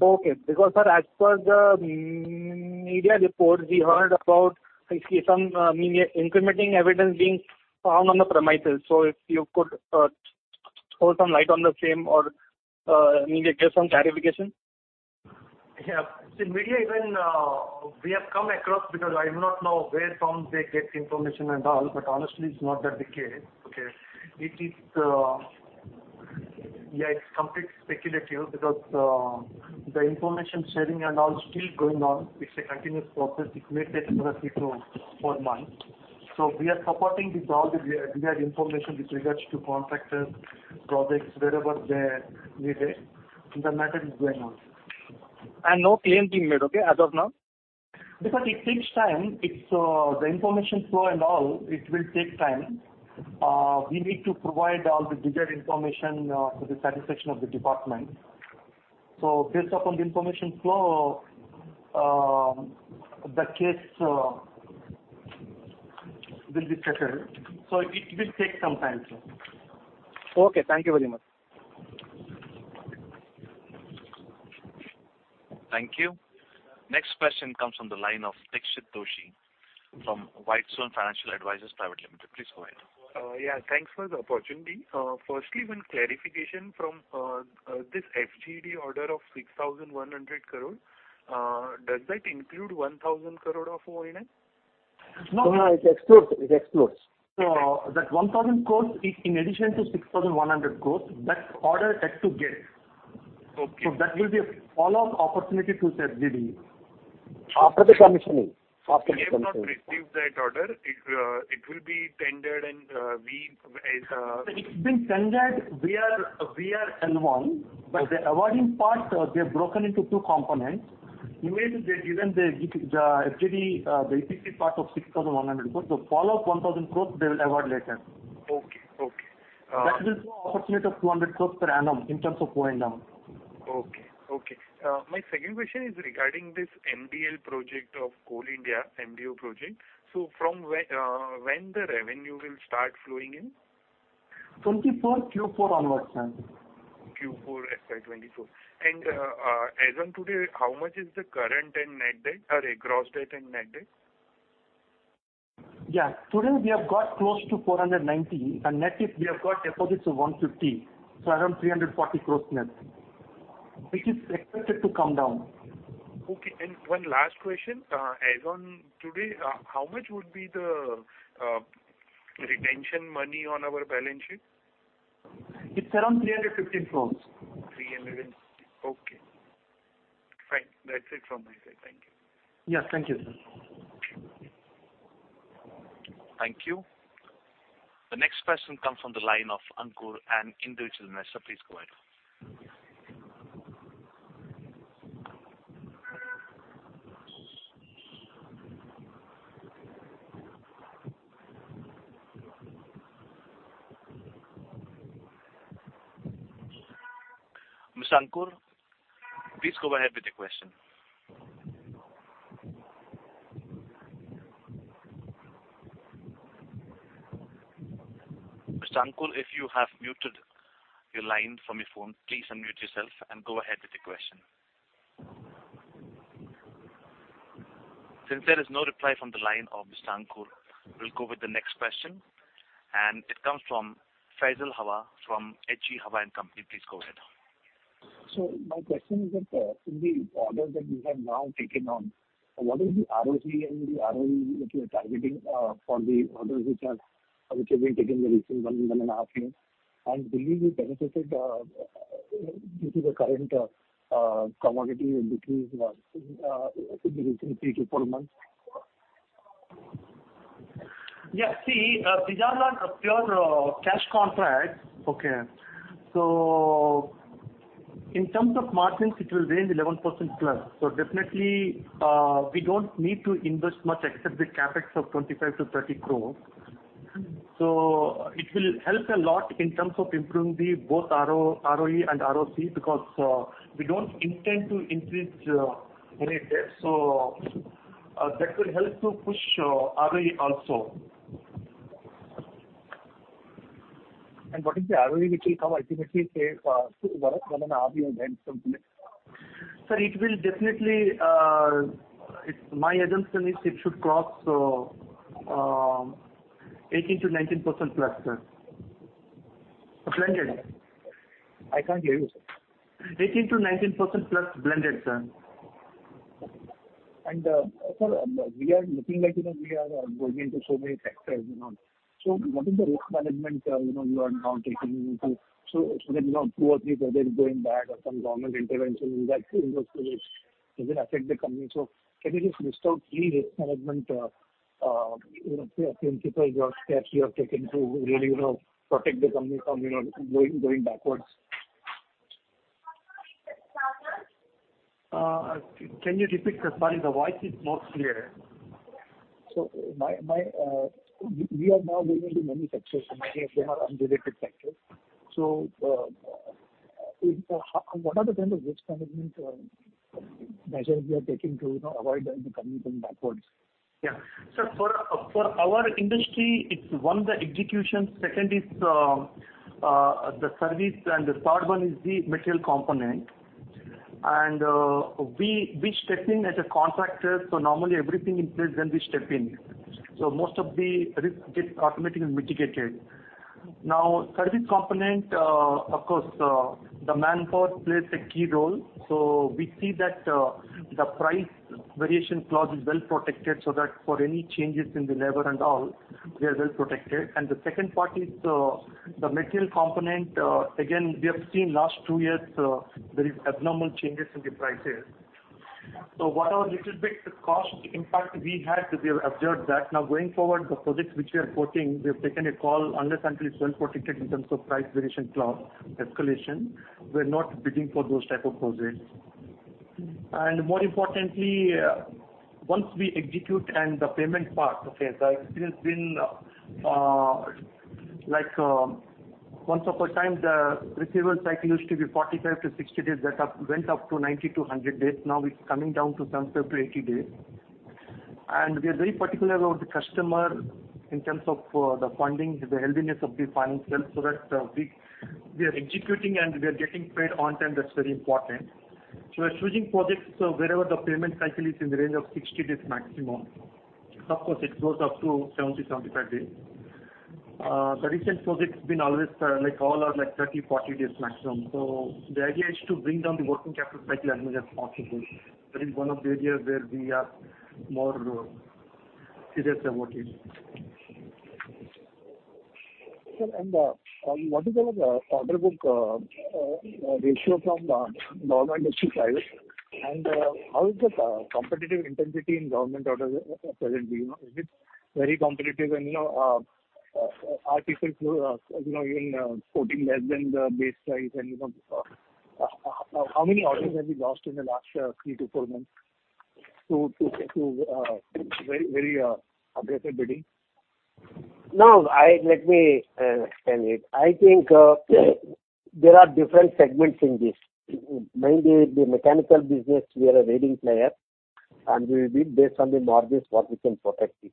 Okay. Because, sir, as per the media reports, we heard about, I see some incriminating evidence being found on the premises. If you could throw some light on the same or maybe give some clarification?... Yeah. See, media even, we have come across because I do not know where from they get information and all, but honestly, it's not that the case, okay? It is, yeah, it's completely speculative because the information sharing and all is still going on. It's a continuous process. It may take another three to four months. So we are supporting with all the required information with regards to contractors, projects, wherever they're needed, and the matter is going on. And no claim being made, okay, as of now? Because it takes time. It's the information flow and all, it will take time. We need to provide all the required information to the satisfaction of the department. So based upon the information flow, the case will be settled. So it will take some time, sir. Okay. Thank you very much. Thank you. Next question comes from the line of Dixit Doshi from Whitestone Financial Advisors Private Limited. Please go ahead. Yeah, thanks for the opportunity. Firstly, one clarification from this FGD order of 6,100 crore, does that include 1,000 crore of O&M? No, it excludes. It excludes. So that 1,000 crore is in addition to 6,100 crore, that order is yet to get. Okay. That will be a follow-up opportunity to FGD. After the commissioning. After the commissioning. We have not received that order. It, it will be tendered, and, we, It's been tendered, we are, we are L1, but the awarding part, they're broken into two components. Even they've given the, the, FGD, the EPC part of 6,100 crore. The follow-up 1,000 crore, they will award later. Okay. Okay. That will be an opportunity of 200 crore per annum in terms of O&M. Okay. Okay. My second question is regarding this MDO project of Coal India, MDO project. So from when the revenue will start flowing in? 2024, Q4 onwards, sir. Q4, FY 2024. And, as on today, how much is the current and net debt or a gross debt and net debt? Yeah. Today, we have got close to 490, and net is we have got deposits of 150, so around 340 crores net, which is expected to come down. Okay. And one last question, as on today, how much would be the retention money on our balance sheet? It's around 315 crore. Okay. Fine. That's it from my side. Thank you. Yeah, thank you, sir. Thank you. The next question comes from the line of Ankur, an individual investor. Please go ahead. Mr. Ankur, please go ahead with your question. Mr. Ankur, if you have muted your line from your phone, please unmute yourself and go ahead with your question. Since there is no reply from the line of Mr. Ankur, we'll go with the next question, and it comes from Faisal Hawa from H.G. Hawa and Company. Please go ahead. So my question is that, in the orders that you have now taken on, what is the ROC and the ROE that you are targeting, for the orders which have been taken in the recent one and half years? And will you be benefited, due to the current, commodity increase, in the recent three to four months? Yeah. See, these are not pure cash contracts, okay? So in terms of margins, it will range 11%+. So definitely, we don't need to invest much except the CapEx of 25 crore-30 crore. So it will help a lot in terms of improving both ROE and ROC, because we don't intend to increase any debt, so that will help to push ROE also. What is the ROE which will come ultimately say, for one and half year, then someplace? Sir, it will definitely, my assumption is it should cross 18%-19%+, sir. Blended. I can't hear you, sir. 18%-19%+, blended, sir. Sir, we are looking like, you know, we are going into so many sectors, you know. What is the risk management, you know, you are now taking into? So that, you know, two or three projects going bad or some government intervention in that, in those projects, does it affect the company? Can you just list out the risk management, you know, say, I think, steps you have taken to really, you know, protect the company from, you know, going, going backwards? Can you repeat, sir? Sorry, the voice is not clear. So, we are now going into many sectors, and many of them are unrelated sectors. So, what are the kind of risk management measures you are taking to, you know, avoid the company going backwards? Yeah. So for our industry, it's one, the execution, second is the service, and the third one is the material component. And we step in as a contractor, so normally everything in place, then we step in. So most of the risk gets automatically mitigated. Now, service component, of course, the manpower plays a key role. So we see that the price variation clause is well protected, so that for any changes in the labor and all, we are well protected. And the second part is the material component. Again, we have seen last two years very abnormal changes in the prices. So whatever little bit cost impact we had, we have observed that. Now, going forward, the projects which we are quoting, we have taken a call, unless until it's well protected in terms of price variation, clause, escalation, we're not bidding for those type of projects. And more importantly, once we execute and the payment part, okay, the experience been, like, once upon a time, the receivable cycle used to be 45-60 days, that went up to 90-100 days. Now, it's coming down to 70-80 days. And we are very particular about the customer in terms of, the funding, the healthiness of the financials, so that, we, we are executing and we are getting paid on time. That's very important. So we're choosing projects, so wherever the payment cycle is in the range of 60 days maximum. Of course, it goes up to 70, 75 days. The recent project has been always, like, all are, like, 30, 40 days maximum. So the idea is to bring down the working capital cycle as much as possible. That is one of the areas where we are more serious about it. Sir, and what is the order book ratio from the government side? And how is the competitive intensity in government orders presently? You know, is it very competitive and, you know, articles, you know, even quoting less than the base price? And, you know, how many orders have you lost in the last three to four months to very, very aggressive bidding? Now, I let me explain it. I think there are different segments in this. Mainly, the mechanical business, we are a leading player, and we bid based on the margins what we can protect it.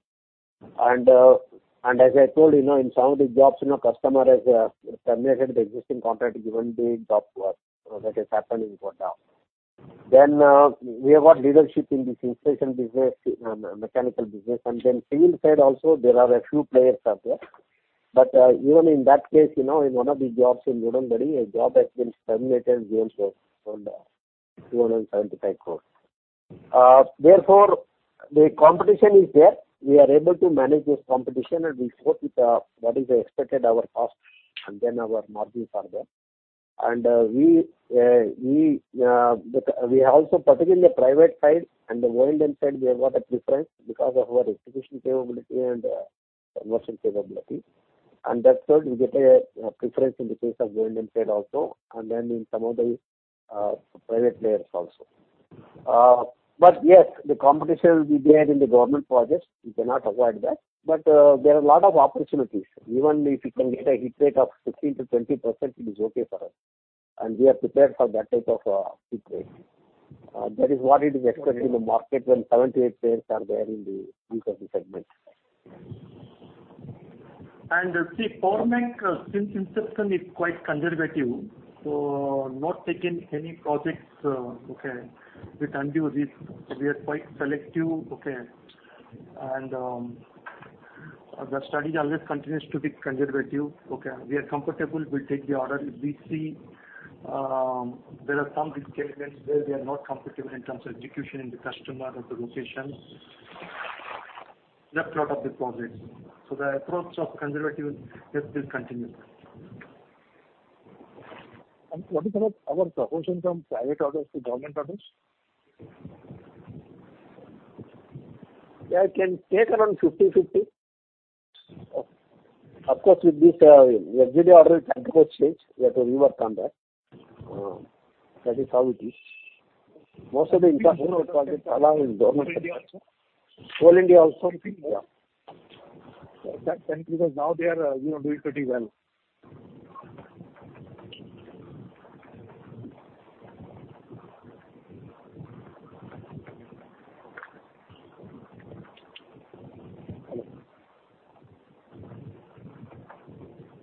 And as I told you know, in some of the jobs, you know, customer has terminated the existing contract, given the job to us. That is happening for now. Then we have got leadership in this infra business, mechanical business. And then civil side also, there are a few players out there. But even in that case, you know, in one of the jobs in Udupi, a job has been terminated, we also found INR 275 crore. Therefore, the competition is there. We are able to manage this competition, and we quote it, what is expected our cost, and then our margins are there. And, we also, particularly in the private side and the oil and gas side, we have got a preference because of our execution capability and, commercial capability. And that's why we get a preference in the case of oil and gas side also, and then in some of the private players also. But yes, the competition will be there in the government projects. We cannot avoid that. But, there are a lot of opportunities. Even if you can get a hit rate of 15%-20%, it is okay for us, and we are prepared for that type of hit rate. That is what it is expected in the market when 78 players are there in the segment. See, Power Mech, since inception, is quite conservative, so not taking any projects, okay, which can be a risk. We are quite selective, okay? And, the strategy always continues to be conservative. Okay, we are comfortable, we'll take the order. If we see, there are some risk elements where we are not comfortable in terms of execution in the customer or the location, left out of the project. So the approach of conservative, that will continue. What is about our proportion from private orders to government orders? Yeah, it can take around 50/50. Of course, with this, FDG order can change. We have to rework on that. That is how it is. Most of the infrastructure projects allow in government. India also? Coal India also, yeah. That country, because now they are, you know, doing pretty well.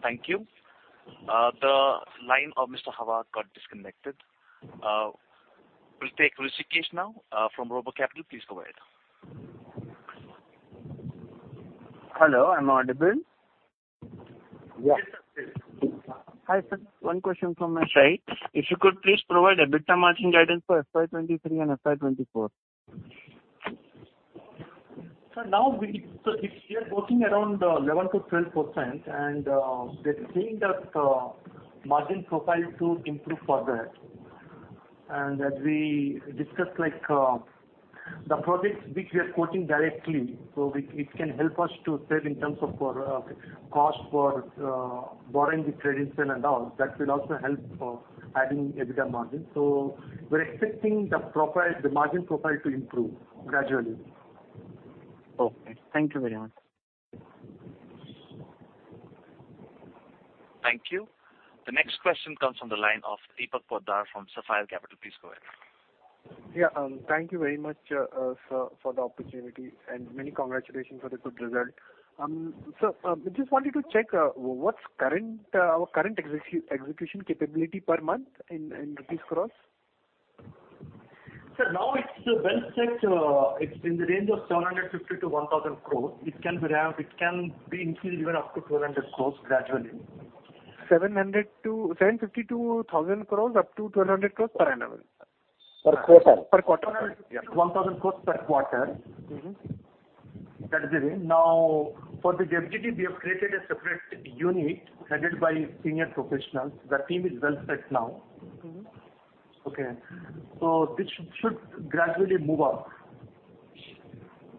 Thank you. The line of Mr. Hawa got disconnected. We'll take Rishikesh now, from Robo Capital. Please go ahead. Hello, I'm audible? Yeah. Hi, sir. One question from my side. If you could please provide EBITDA margin guidance for FY 2023 and FY 2024. So now we are working around 11%-12%, and they're seeing that margin profile to improve further. And as we discussed, like, the projects which we are quoting directly, so it can help us to save in terms of for cost for borrowing the credits and all. That will also help for adding EBITDA margin. So we're expecting the profile, the margin profile to improve gradually. Okay. Thank you very much. Thank you. The next question comes from the line of Deepak Poddar from Sapphire Capital. Please go ahead. Thank you very much, sir, for the opportunity, and many congratulations for the good result. So, we just wanted to check what's our current execution capability per month in rupees crores? ...Sir, now it's well set, it's in the range of 750 crore-1,000 crore. It can be ramped, it can be increased even up to 1,200 crore gradually. 750 crore-1,000 crore, up to 1,200 crore per annum? Per quarter. Per quarter. 1,000 crore per quarter. Mm-hmm. That is it. Now, for the FGD, we have created a separate unit headed by senior professionals. The team is well set now. Mm-hmm. Okay, so this should gradually move up.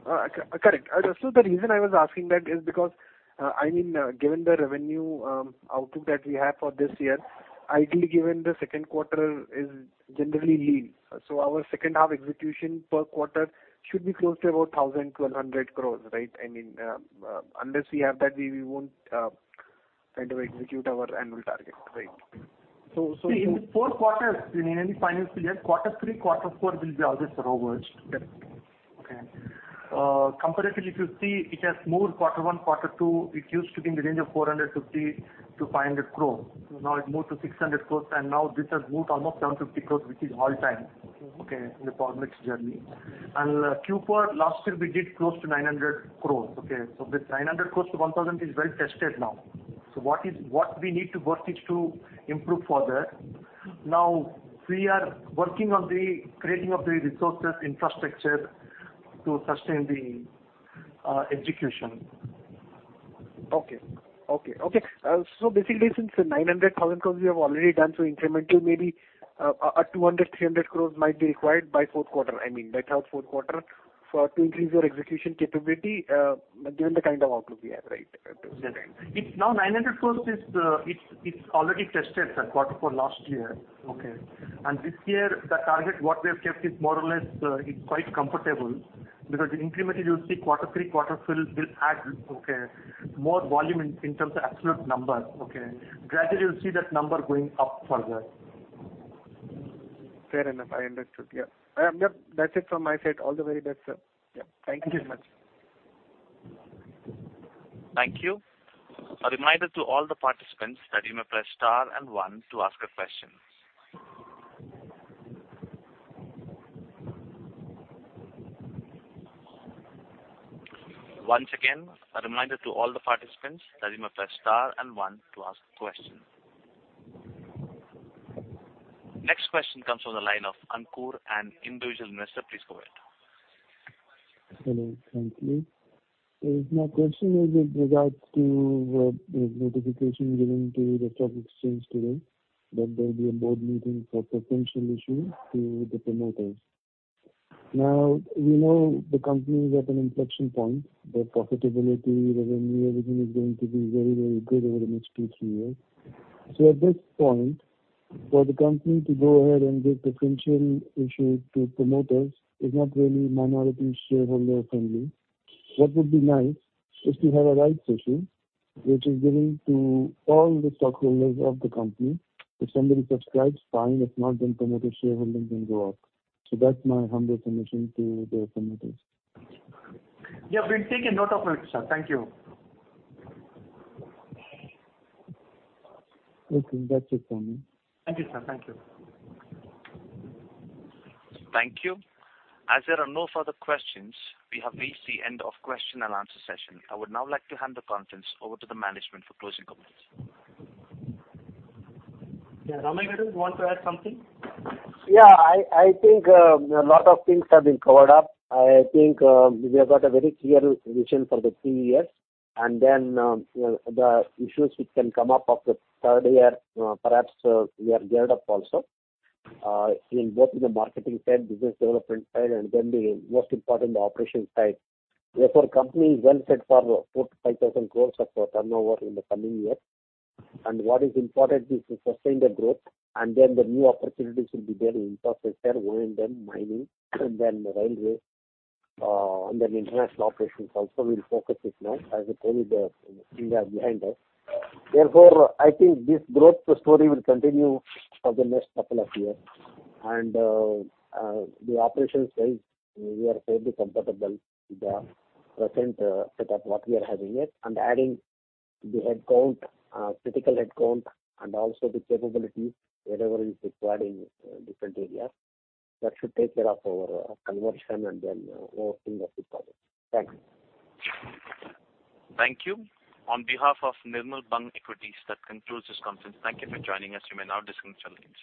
Correct. So the reason I was asking that is because, I mean, given the revenue output that we have for this year, ideally, given the second quarter is generally lean, so our second half execution per quarter should be close to about 1,000 crore-1,200 crore, right? I mean, unless we have that, we, we won't kind of execute our annual target, right? In the fourth quarter, in any financial year, quarter three, quarter four will be our turnovers. Okay. Comparatively, if you see, it has moved quarter one, quarter two. It used to be in the range of 450-500 crores. Now it moved to 600 crores, and now this has moved almost 750 crores, which is all-time- Mm-hmm. Okay, in the Power Mech journey. Q4 last year we did close to 900 crore, okay? So this 900 crore-1,000 crore is well tested now. So what we need to work is to improve further. Now, we are working on the creating of the resources, infrastructure to sustain the execution. Okay. Okay, okay. Basically, since the 900,000 crore we have already done, incrementally, maybe 200-300 crore might be required by fourth quarter, I mean, by third, fourth quarter, to increase your execution capability, given the kind of output we have, right? Right. It's now 900 crore, it's already tested at quarter four last year, okay? And this year, the target what we have kept is more or less, it's quite comfortable, because incrementally, you'll see quarter three, quarter four will add, okay, more volume in terms of absolute number, okay? Gradually, you'll see that number going up further. Fair enough. I understood, yeah. I, yep, that's it from my side. All the very best, sir. Yeah. Thank you very much. Thank you. A reminder to all the participants that you may press star and one to ask a question. Once again, a reminder to all the participants that you may press star and one to ask a question. Next question comes from the line of Ankur, an individual investor. Please go ahead. Hello, thank you. My question is with regards to the notification given to the stock exchange today, that there'll be a board meeting for potential issue to the promoters. Now, we know the company is at an inflection point. The profitability, revenue, everything is going to be very, very good over the next two, three years. So at this point, for the company to go ahead and get preferential issue to promoters is not really minority shareholder-friendly. What would be nice is to have a rights issue, which is given to all the stockholders of the company. If somebody subscribes, fine. If not, then promoter shareholding will go up. So that's my humble submission to the promoters. Yeah, we've taken note of it, sir. Thank you. Okay, that's it from me. Thank you, sir. Thank you. Thank you. As there are no further questions, we have reached the end of question-and-answer session. I would now like to hand the conference over to the management for closing comments. Yeah, Raghuram, you want to add something? Yeah, I, I think, a lot of things have been covered up. I think, we have got a very clear vision for the three years, and then, the issues which can come up of the third year, perhaps, we are geared up also, in both in the marketing side, business development side, and then the most important, the operations side. Therefore, company is well set for 4,000-5,000 crore of turnover in the coming years. And what is important is to sustain the growth, and then the new opportunities will be there in infrastructure, wind and mining, and then railway, and then international operations also we'll focus it now, as I told you, the India behind us. Therefore, I think this growth story will continue for the next couple of years. The operations side, we are fairly comfortable with the present setup what we are having it, and adding the headcount, critical headcount, and also the capability, whatever is required in different areas. That should take care of our conversion and then overall thing of the project. Thank you. Thank you. On behalf of Nirmal Bang Equities, that concludes this conference. Thank you for joining us. You may now disconnect your lines.